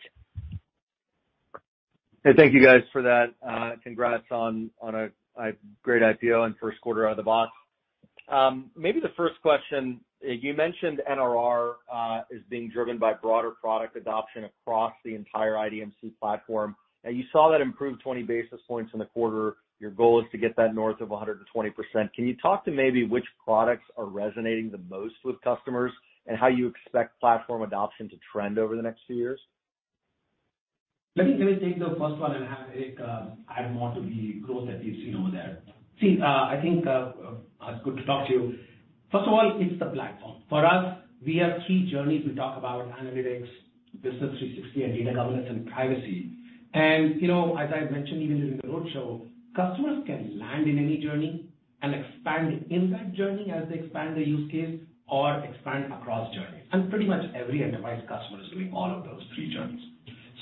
Hey, thank you guys for that. Congrats on a great IPO and Q1 out of the box. Maybe the first question. You mentioned NRR is being driven by broader product adoption across the entire IDMC platform, and you saw that improve 20 basis points in the quarter. Your goal is to get that north of 120%. Can you talk to maybe which products are resonating the most with customers and how you expect platform adoption to trend over the next few years? Let me take the first one and have Eric add more to the growth that you've seen over there. So, I think Eric could talk to you. First of all, it's the platform. For us, we have three journeys we talk about, analytics, Business 360, and data governance and privacy. You know, as I mentioned even during the roadshow, customers can land in any journey and expand in that journey as they expand the use case or expand across journeys. Pretty much every enterprise customer is doing all of those three journeys.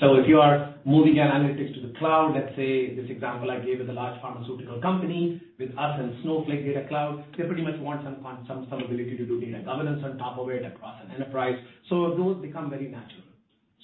If you are moving analytics to the cloud, let's say this example I gave with a large pharmaceutical company with us and Snowflake Data Cloud, they pretty much want some ability to do data governance on top of it across an enterprise. Those become very natural.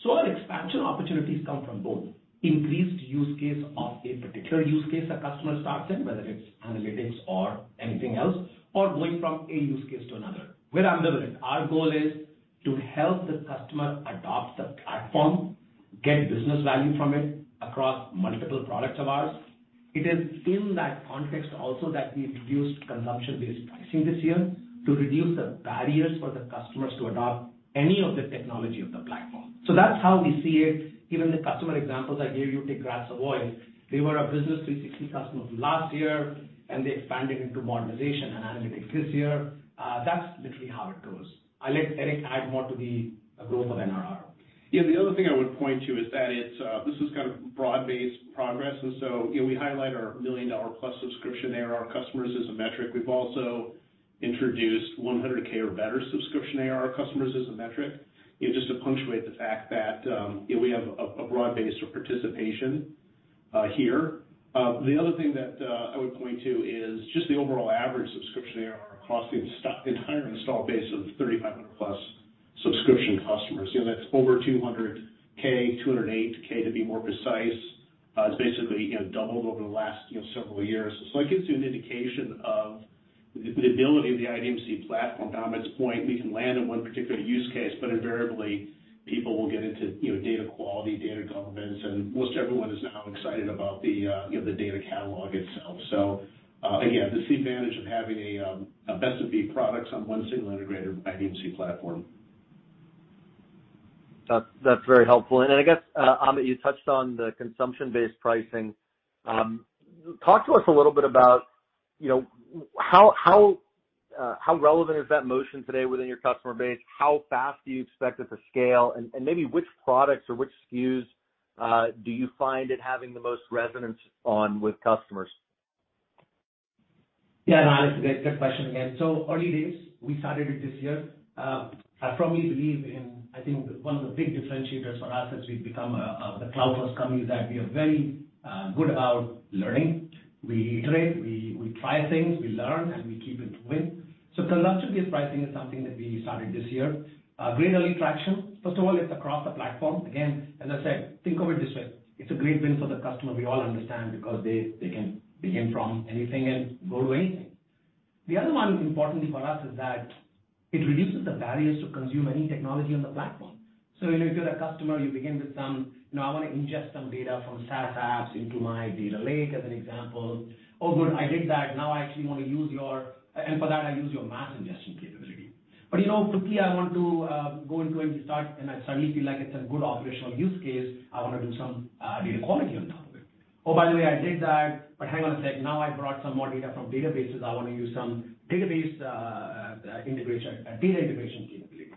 Our expansion opportunities come from both increased use case of a particular use case a customer starts in, whether it's analytics or anything else, or going from a use case to another. We're ambivalent. Our goal is to help the customer adopt the platform, get business value from it across multiple products of ours. It is in that context also that we introduced consumption-based pricing this year to reduce the barriers for the customers to adopt any of the technology of the platform. That's how we see it. Even the customer examples I gave you, take Gras Savoye. They were a Business 360 customer from last year, and they expanded into modernization and analytics this year. That's literally how it goes. I'll let Eric add more to the growth of NRR. Yeah. The other thing I would point to is that it's this is kind of broad-based progress. You know, we highlight our million-dollar-plus subscription ARR customers as a metric. We've also introduced 100K or better subscription ARR customers as a metric, you know, just to punctuate the fact that you know, we have a broad base of participation here. The other thing that I would point to is just the overall average subscription ARR across the stock the entire installed base of 3,500-plus subscription customers. You know, that's over 200K, 208K to be more precise. It's basically you know, doubled over the last you know, several years. That gives you an indication of the ability of the IDMC platform. Amit's point, we can land in one particular use case, but invariably people will get into, you know, data quality, data governance, and most everyone is now excited about the, you know, the data catalog itself. Again, this advantage of having a best of breed products on one single integrated IDMC platform. That's very helpful. I guess, Amit, you touched on the consumption-based pricing. Talk to us a little bit about, you know, how relevant is that motion today within your customer base? How fast do you expect it to scale? And maybe which products or which SKUs do you find it having the most resonance on with customers? No, that's a great question again. Early days, we started it this year. I firmly believe in, I think one of the big differentiators for us as we've become a, the cloud-first company, is that we are very good about learning. We iterate, we try things, we learn, and we keep improving. Consumption-based pricing is something that we started this year. Great early traction. First of all, it's across the platform. Again, as I said, think of it this way, it's a great win for the customer. We all understand because they can begin from anything and go to anything. The other one importantly for us is that it reduces the barriers to consume any technology on the platform. You know, if you're the customer, you begin with some, you know, I want to ingest some data from SaaS apps into my data lake as an example. Oh, good, I did that. Now I actually want to use your, and for that I use your mass ingestion capability. You know, quickly I want to go into [NG start], and I suddenly feel like it's a good operational use case. I wanna do some data quality on top of it. Oh, by the way, I did that, but hang on a sec. Now I brought some more data from databases. I want to use some database integration, data integration capability.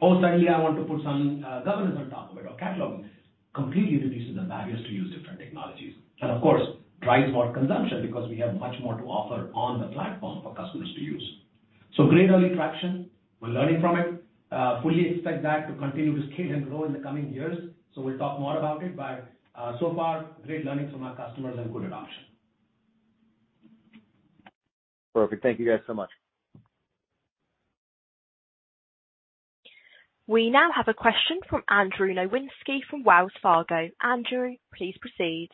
Oh, suddenly I want to put some governance on top of it or catalog. Completely reduces the barriers to use different technologies and of course drives more consumption because we have much more to offer on the platform for customers. Great early traction. We're learning from it. Fully expect that to continue to scale and grow in the coming years. We'll talk more about it, but so far, great learning from our customers and good adoption. Perfect. Thank you guys so much. We now have a question from Andrew Nowinski from Wells Fargo. Andrew, please proceed.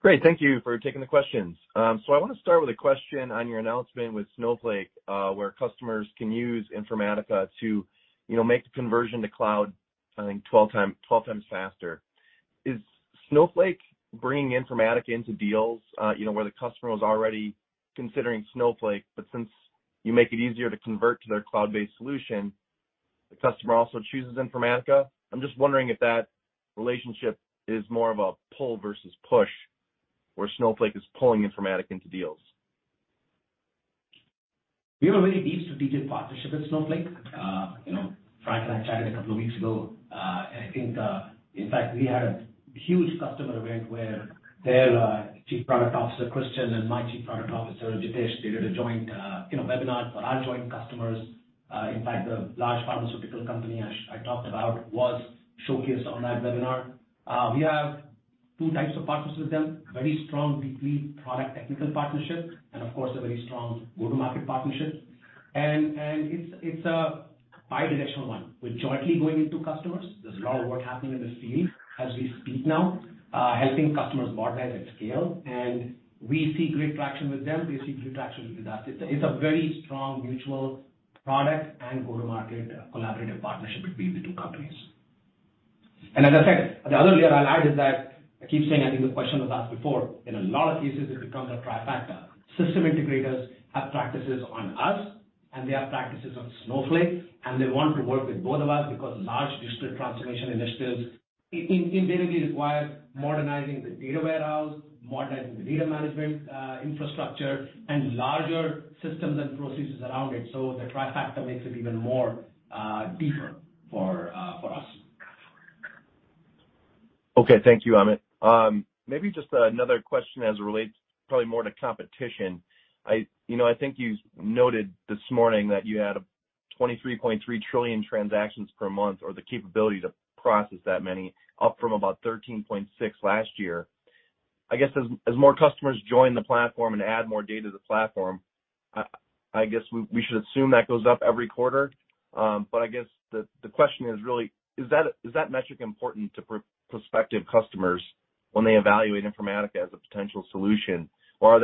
Great. Thank you for taking the questions. So I want to start with a question on your announcement with Snowflake, where customers can use Informatica to, you know, make the conversion to cloud, I think 12 times faster. Is Snowflake bringing Informatica into deals, where the customer was already considering Snowflake, but since you make it easier to convert to their cloud-based solution, the customer also chooses Informatica? I'm just wondering if that relationship is more of a pull versus push, where Snowflake is pulling Informatica into deals. We have a very deep strategic partnership with Snowflake. You know, Frank and I chatted a couple of weeks ago. I think, in fact, we had a huge customer event where their Chief Product Officer, Christian, and my Chief Product Officer, Jitesh, did a joint webinar for our joint customers. In fact, the large pharmaceutical company I talked about was showcased on that webinar. We have two types of partnerships with them. Very strong between product technical partnership and, of course, a very strong go-to-market partnership. It's a bidirectional one. We're jointly going into customers. There's a lot of work happening in the field as we speak now, helping customers modernize at scale. We see great traction with them. We see great traction with that. It's a very strong mutual product and go-to-market collaborative partnership between the two companies. As I said, the other layer I'll add is that I keep saying I think the question was asked before. In a lot of cases, it becomes a trifecta. System integrators have practices on us, and they have practices on Snowflake, and they want to work with both of us because large digital transformation initiatives inherently require modernizing the data warehouse, modernizing the data management, infrastructure and larger systems and processes around it. The trifecta makes it even more deeper for us. Okay. Thank you, Amit. Maybe just another question as it relates probably more to competition. You know, I think you noted this morning that you had a 23.3 trillion transactions per month or the capability to process that many, up from about 13.6 last year. I guess as more customers join the platform and add more data to the platform, I guess we should assume that goes up every quarter. But I guess the question is really, is that metric important to prospective customers when they evaluate Informatica as a potential solution? Or are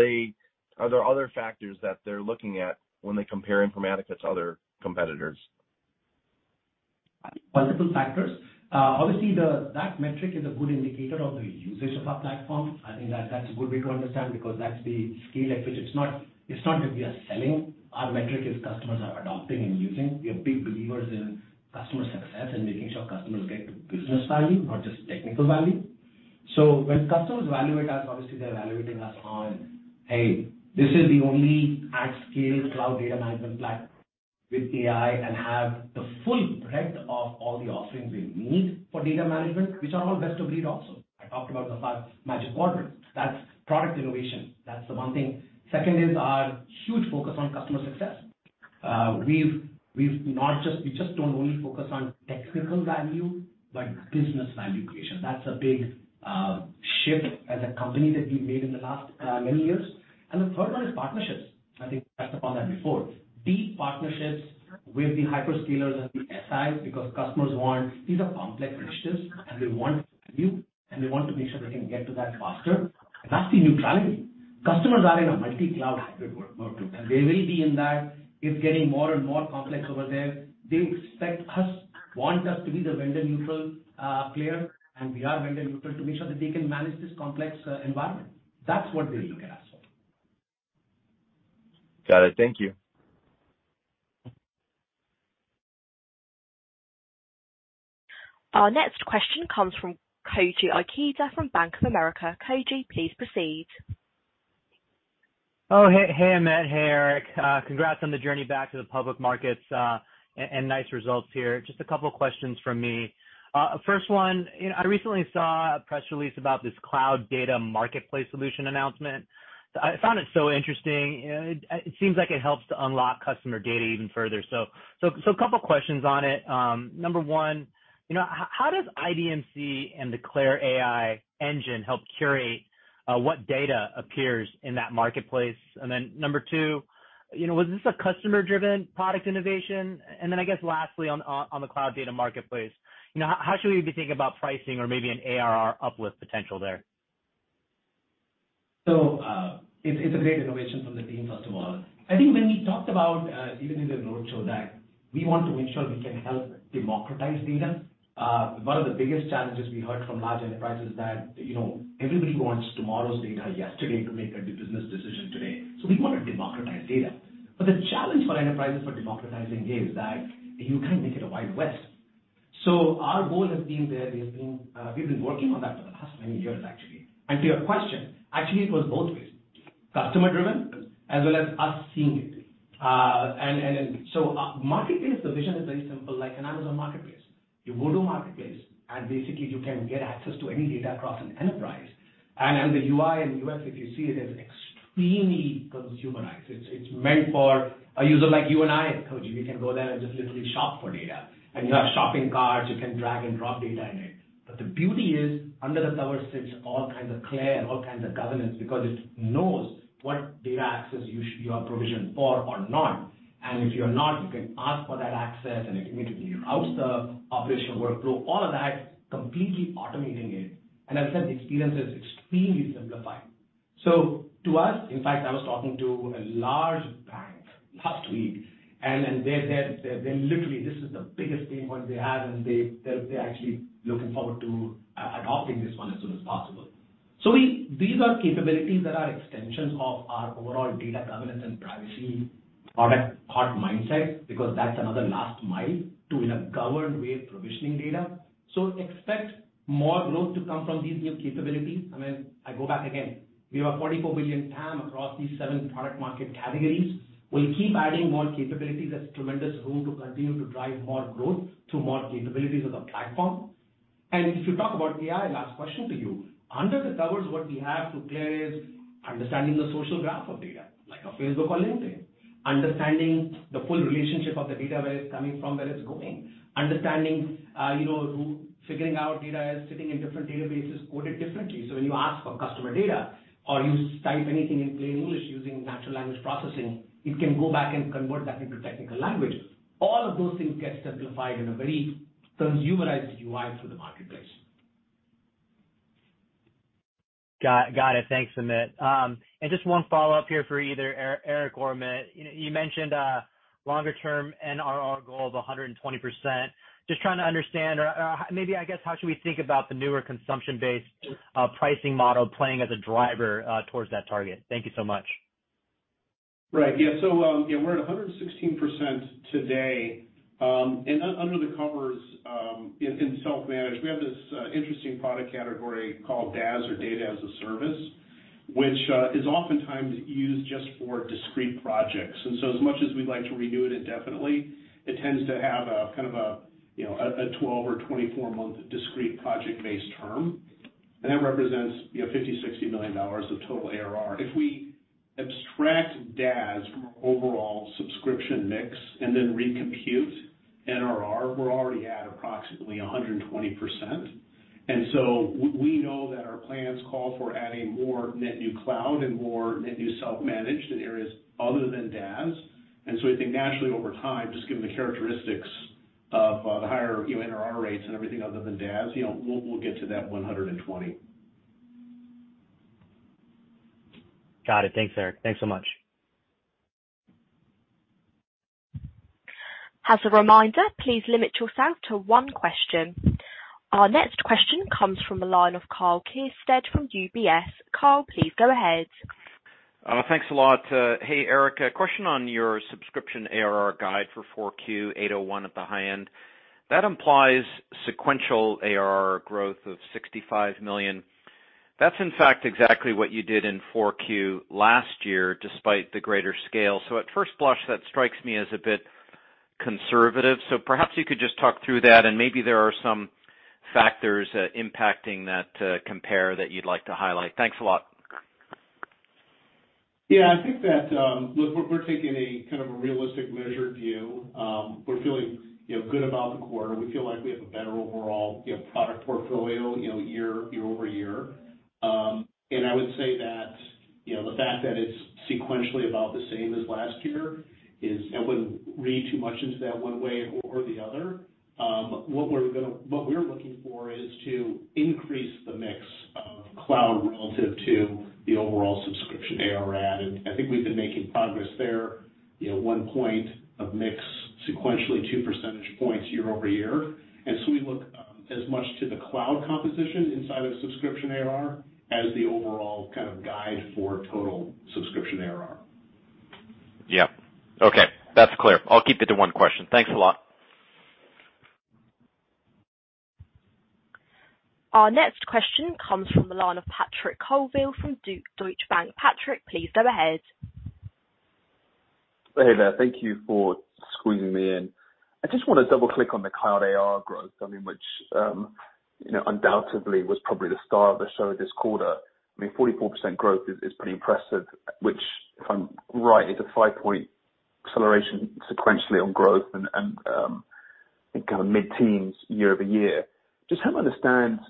there other factors that they're looking at when they compare Informatica to other competitors? Multiple factors. Obviously that metric is a good indicator of the usage of our platform. I think that's a good way to understand because that's the scale at which it's not that we are selling. Our metric is customers are adopting and using. We are big believers in customer success and making sure customers get business value, not just technical value. When customers evaluate us, obviously they're evaluating us on, hey, this is the only at-scale cloud data management platform with AI and have the full breadth of all the offerings we need for data management, which are all best of breed also. I talked about the Gartner Magic Quadrant. That's product innovation. That's the one thing. Second is our huge focus on customer success. We just don't only focus on technical value, but business value creation. That's a big shift as a company that we've made in the last many years. The third one is partnerships. I think I touched upon that before. Deep partnerships with the hyperscalers and the SIs because customers want. These are complex initiatives, and they want value, and they want to make sure they can get to that faster. That's the neutrality. Customers are in a multi-cloud hybrid world. They will be in that. It's getting more and more complex over there. They expect us, want us to be the vendor-neutral player, and we are vendor-neutral, to make sure that they can manage this complex environment. That's what they look at us for. Got it. Thank you. Our next question comes from Koji Ikeda from Bank of America. Koji, please proceed. Oh, hey, Amit. Hey, Eric. Congrats on the journey back to the public markets and nice results here. Just a couple of questions from me. First one, you know, I recently saw a press release about this Cloud Data Marketplace solution announcement. I found it so interesting. It seems like it helps to unlock customer data even further. A couple questions on it. Number one, you know, how does IDMC and the CLAIRE AI engine help curate what data appears in that marketplace? And then number two, you know, was this a customer-driven product innovation? And then I guess lastly on the Cloud Data Marketplace, you know, how should we be thinking about pricing or maybe an ARR uplift potential there? It's a great innovation from the team, first of all. I think when we talked about, even in the roadshow, that we want to make sure we can help democratize data. One of the biggest challenges we heard from large enterprises that, you know, everybody wants tomorrow's data yesterday to make a business decision today. We want to democratize data. But the challenge for enterprises for democratizing data is that you can't make it a Wild West. Our goal has been there, we've been working on that for the last many years, actually. To your question, actually, it was both ways, customer driven as well as us seeing it. Marketplace, the vision is very simple, like an Amazon Marketplace. You go to Marketplace, and basically you can get access to any data across an enterprise. The UI and UX, if you see it, is extremely consumerized. It's meant for a user like you and I, Koji. We can go there and just literally shop for data. You have shopping carts, you can drag and drop data in it. But the beauty is under the covers sits all kinds of CLAIRE, all kinds of governance, because it knows what data access you are provisioned for or not. If you're not, you can ask for that access, and it can immediately route the operational workflow, all of that, completely automating it. As I said, the experience is extremely simplified. To us. In fact, I was talking to a large bank last week, and they're literally this is the biggest thing what they have, and they're actually looking forward to adopting this one as soon as possible. These are capabilities that are extensions of our overall data governance and privacy product heart mindset, because that's another last mile to, in a governed way, provisioning data. Expect more growth to come from these new capabilities. I mean, I go back again. We have a $44 billion TAM across these 7 product market categories. We'll keep adding more capabilities. That's tremendous room to continue to drive more growth through more capabilities of the platform. If you talk about AI, last question to you. Under the covers, what we have to clear is understanding the social graph of data, like a Facebook or LinkedIn. Understanding the full relationship of the data, where it's coming from, where it's going. Figuring out where data is sitting in different databases coded differently. When you ask for customer data or you type anything in plain English using natural language processing, it can go back and convert that into technical language. All of those things get simplified in a very consumerized UI through the marketplace. Got it. Thanks, Amit. And just one follow-up here for either Eric or Amit. You know, you mentioned longer term NRR goal of 120%. Just trying to understand or maybe I guess how should we think about the newer consumption-based pricing model playing as a driver towards that target? Thank you so much. Right. Yeah. Yeah, we're at 116% today. Under the covers, in self-managed, we have this interesting product category called DaaS or Data as a Service, which is oftentimes used just for discrete projects. As much as we'd like to renew it indefinitely, it tends to have a kind of, you know, a 12- or 24-month discrete project-based term. That represents, you know, $50-$60 million of total ARR. If we abstract DaaS from our overall subscription mix and then recompute NRR, we're already at approximately 120%. We know that our plans call for adding more net new cloud and more net new self-managed in areas other than DaaS. I think naturally over time, just given the characteristics of the higher, you know, NRR rates and everything other than DaaS, you know, we'll get to that 120. Got it. Thanks, Eric. Thanks so much. As a reminder, please limit yourself to one question. Our next question comes from the line of Karl Keirstead from UBS. Carl, please go ahead. Thanks a lot. Hey, Eric. A question on your subscription ARR guide for Q4, $801 at the high end. That implies sequential ARR growth of $65 million. That's in fact exactly what you did in Q4 last year, despite the greater scale. At first blush, that strikes me as a bit conservative. Perhaps you could just talk through that, and maybe there are some factors impacting that compared to that you'd like to highlight. Thanks a lot. Yeah, I think that, look, we're taking a kind of a realistic measured view. We're feeling, you know, good about the quarter. We feel like we have a better overall, you know, product portfolio, you know, year-over-year. I would say that, you know, the fact that it's sequentially about the same as last year is, I wouldn't read too much into that one way or the other. What we're looking for is to increase the mix of cloud relative to the overall subscription ARR add, and I think we've been making progress there. You know, one point of mix sequentially, two percentage points year-over-year. We look, as much to the cloud composition inside of subscription ARR as the overall kind of guide for total subscription ARR. Yeah. Okay. That's clear. I'll keep it to one question. Thanks a lot. Our next question comes from the line of Patrick Colville from Deutsche Bank. Patrick, please go ahead. Hey there. Thank you for squeezing me in. I just wanna double-click on the cloud AR growth, I mean, which, you know, undoubtedly was probably the star of the show this quarter. I mean, 44% growth is pretty impressive, which, if I'm right, is a 5-point acceleration sequentially on growth and, I think kind of mid-teens year over year. Just help me understand,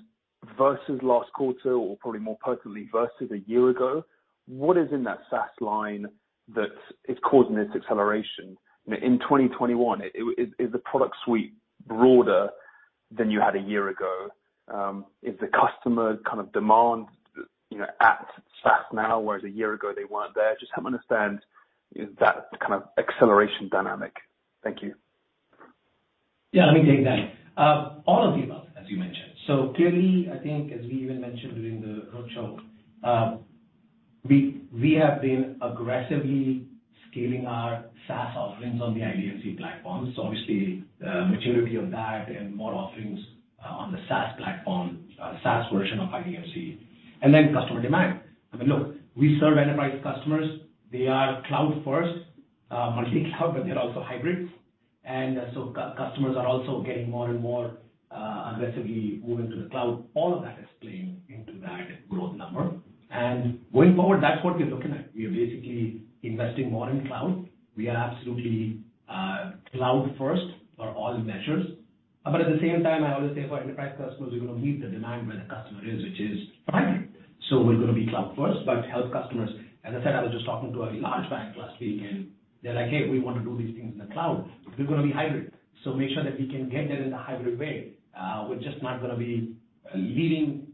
versus last quarter or probably more personally versus a year ago, what is in that SaaS line that is causing this acceleration? In 2021, is the product suite broader than you had a year ago? Is the customer kind of demand, you know, at SaaS now, whereas a year ago they weren't there? Just help me understand that kind of acceleration dynamic. Thank you. Yeah, let me take that. All of the above, as you mentioned. Clearly, I think, as we even mentioned during the roadshow, we have been aggressively scaling our SaaS offerings on the IDMC platform. Obviously, maturity of that and more offerings on the SaaS platform, SaaS version of IDMC, and then customer demand. I mean, look, we serve enterprise customers. They are cloud first, multi-cloud, but they're also hybrids. Customers are also getting more and more aggressively moving to the cloud. All of that is playing into that growth number. Going forward, that's what we're looking at. We are basically investing more in cloud. We are absolutely cloud first for all measures. At the same time, I always say for enterprise customers, we're gonna meet the demand where the customer is, which is hybrid. We're gonna be cloud first, but help customers. As I said, I was just talking to a large bank last week, and they're like, "Hey, we wanna do these things in the cloud. We're gonna be hybrid, so make sure that we can get there in a hybrid way." We're just not gonna be leading.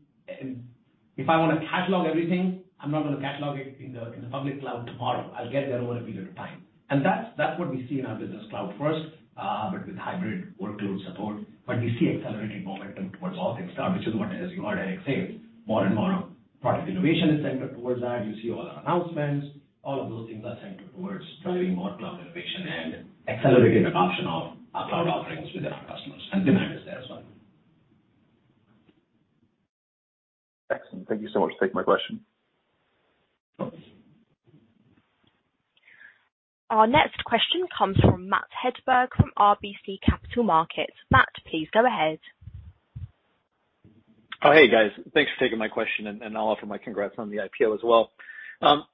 If I wanna catalog everything, I'm not gonna catalog it in the public cloud tomorrow. I'll get there over a period of time. That's what we see in our business cloud first, but with hybrid workload support. We see accelerated momentum towards all things cloud, which is what it is. You heard Eric say it. More and more of product innovation is centered towards that. You see all our announcements. All of those things are centered towards driving more cloud innovation and accelerating adoption of our cloud offerings within our customers, and demand is there as well. Excellent. Thank you so much for taking my question. Our next question comes from Matt Hedberg from RBC Capital Markets. Matt, please go ahead. Oh, hey, guys. Thanks for taking my question, and I'll offer my congrats on the IPO as well.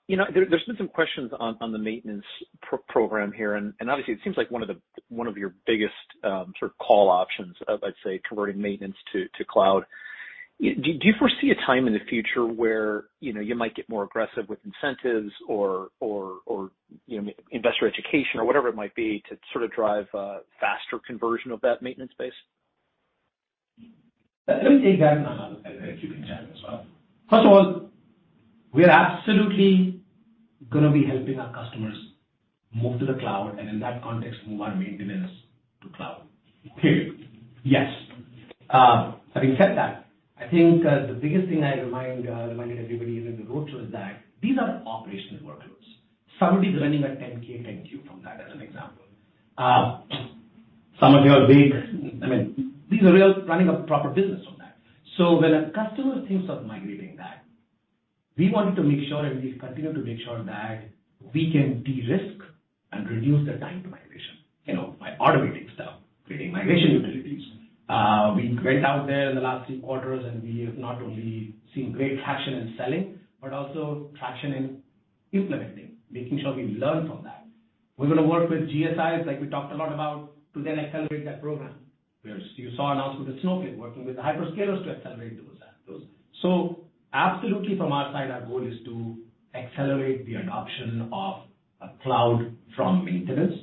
You know, there's been some questions on the maintenance program here, and obviously it seems like one of your biggest sort of call options, I'd say converting maintenance to cloud. Do you foresee a time in the future where you know, you might get more aggressive with incentives or you know, investor education or whatever it might be to sort of drive a faster conversion of that maintenance base? Let me take that, and Eric, you can chime in as well. First of all, we're absolutely gonna be helping our customers move to the cloud, and in that context, move our maintenance to cloud. Period. Yes. Having said that, I think the biggest thing I reminded everybody in the roadshow is that these are operational workloads. Somebody's running a 10-K, 10-Q from that as an example. Some of you are big. I mean, these are real, running a proper business on that. When a customer thinks of migrating that, we want to make sure, and we continue to make sure that we can de-risk and reduce the time to migration, you know, by automating stuff, creating migration utilities. We went out there in the last three quarters, and we have not only seen great traction in selling, but also traction in implementing, making sure we learn from that. We're gonna work with GSIs like we talked a lot about to then accelerate that program. You saw announcements with Snowflake working with the hyperscalers to accelerate those. Absolutely, from our side, our goal is to accelerate the adoption of cloud from maintenance.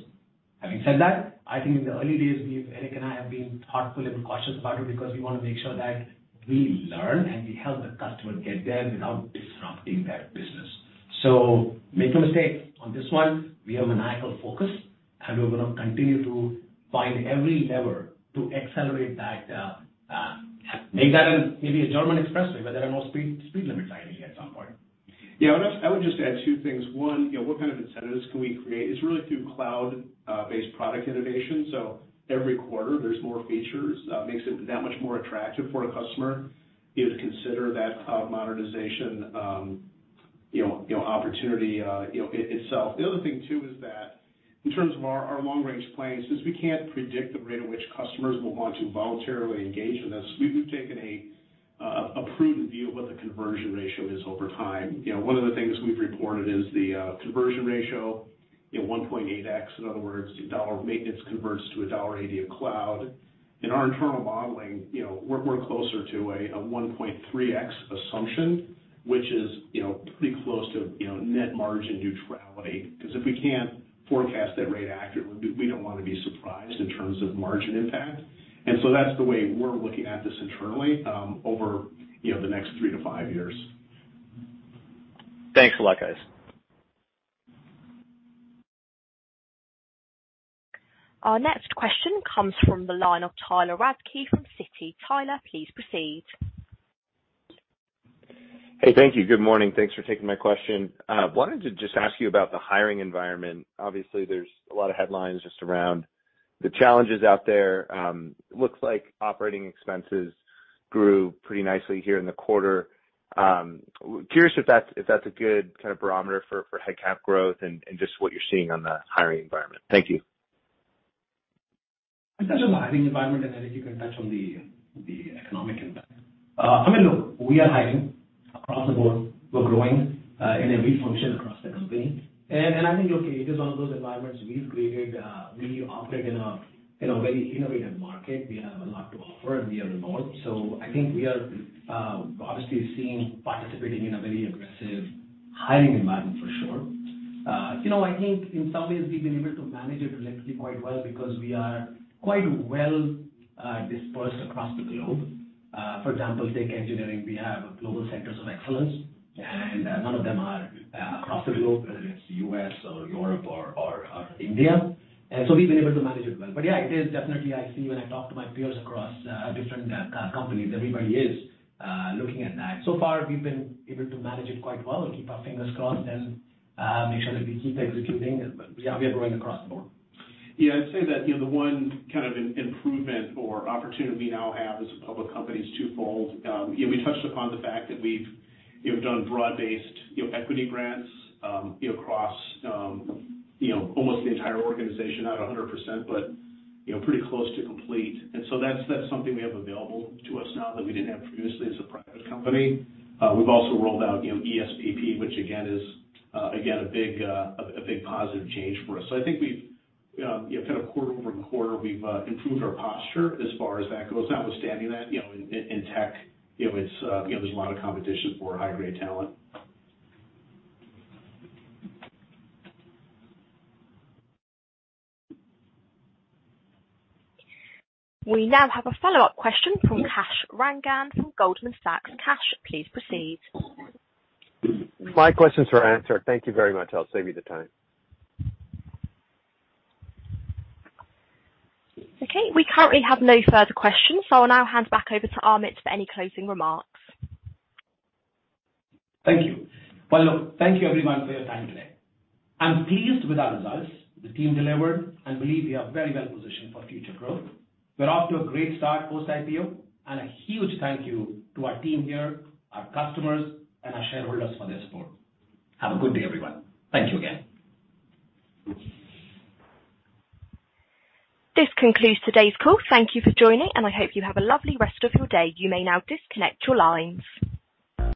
Having said that, I think in the early days, we've, Eric and I, have been thoughtful and cautious about it because we wanna make sure that we learn and we help the customer get there without disrupting their business. Make no mistake, on this one, we are maniacal focused, and we're gonna continue to find every lever to accelerate that, make that an, maybe a German expressway where there are no speed limits ideally at some point. Yeah. I would just add two things. One, you know, what kind of incentives can we create is really through cloud based product innovation. So every quarter there's more features makes it that much more attractive for a customer to consider that cloud modernization, you know, opportunity, you know, itself. The other thing too is that in terms of our long range plans, since we can't predict the rate at which customers will want to voluntarily engage with us, we've taken a prudent view of what the conversion ratio is over time. You know, one of the things we've reported is the conversion ratio, you know, 1.8x. In other words, $1 of maintenance converts to $1.80 of cloud. In our internal modeling, you know, we're closer to a 1.3x assumption, which is, you know, pretty close to, you know, net margin neutrality. 'Cause if we can't forecast that rate accurately, we don't wanna be surprised in terms of margin impact. That's the way we're looking at this internally, over, you know, the next 3 to 5 years. Thanks a lot, guys. Our next question comes from the line of Tyler Radke from Citi. Tyler, please proceed. Hey. Thank you. Good morning. Thanks for taking my question. Wanted to just ask you about the hiring environment. Obviously, there's a lot of headlines just around the challenges out there. Looks like operating expenses grew pretty nicely here in the quarter. Curious if that's a good kind of barometer for head count growth and just what you're seeing on the hiring environment. Thank you. I'll touch on the hiring environment, and Eric, you can touch on the economic impact. I mean, look, we are hiring across the board. We're growing in every function across the company. I think, look, it is one of those environments we've created, we operate in a very innovative market. We have a lot to offer, and we are the most. I think we are obviously participating in a very aggressive hiring environment for sure. You know, I think in some ways we've been able to manage it relatively quite well because we are quite well dispersed across the globe. For example, take engineering. We have global centers of excellence across the globe, whether it's U.S. or Europe or India. We've been able to manage it well. Yeah, it is definitely I see when I talk to my peers across different companies, everybody is looking at that. So far, we've been able to manage it quite well and keep our fingers crossed and make sure that we keep executing. Yeah, we are growing across the board. Yeah. I'd say that, you know, the one kind of improvement or opportunity we now have as a public company is twofold. You know, we touched upon the fact that we've, you know, done broad-based, you know, equity grants, you know, across, you know, almost the entire organization. Not 100%, but, you know, pretty close to complete. That's something we have available to us now that we didn't have previously as a private company. We've also rolled out, you know, ESPP, which again is a big positive change for us. I think we've, you know, kind of quarter-over-quarter, we've improved our posture as far as that goes, notwithstanding that, you know, in tech, you know, it's, you know, there's a lot of competition for high-grade talent. We now have a follow-up question from Kash Rangan from Goldman Sachs. Kash, please proceed. My questions are answered. Thank you very much. I'll save you the time. Okay. We currently have no further questions, so I'll now hand back over to Amit for any closing remarks. Thank you. Well, look, thank you everyone for your time today. I'm pleased with our results. The team delivered. I believe we are very well positioned for future growth. We're off to a great start post IPO, and a huge thank you to our team here, our customers, and our shareholders for their support. Have a good day, everyone. Thank you again. This concludes today's call. Thank you for joining, and I hope you have a lovely rest of your day. You may now disconnect your lines.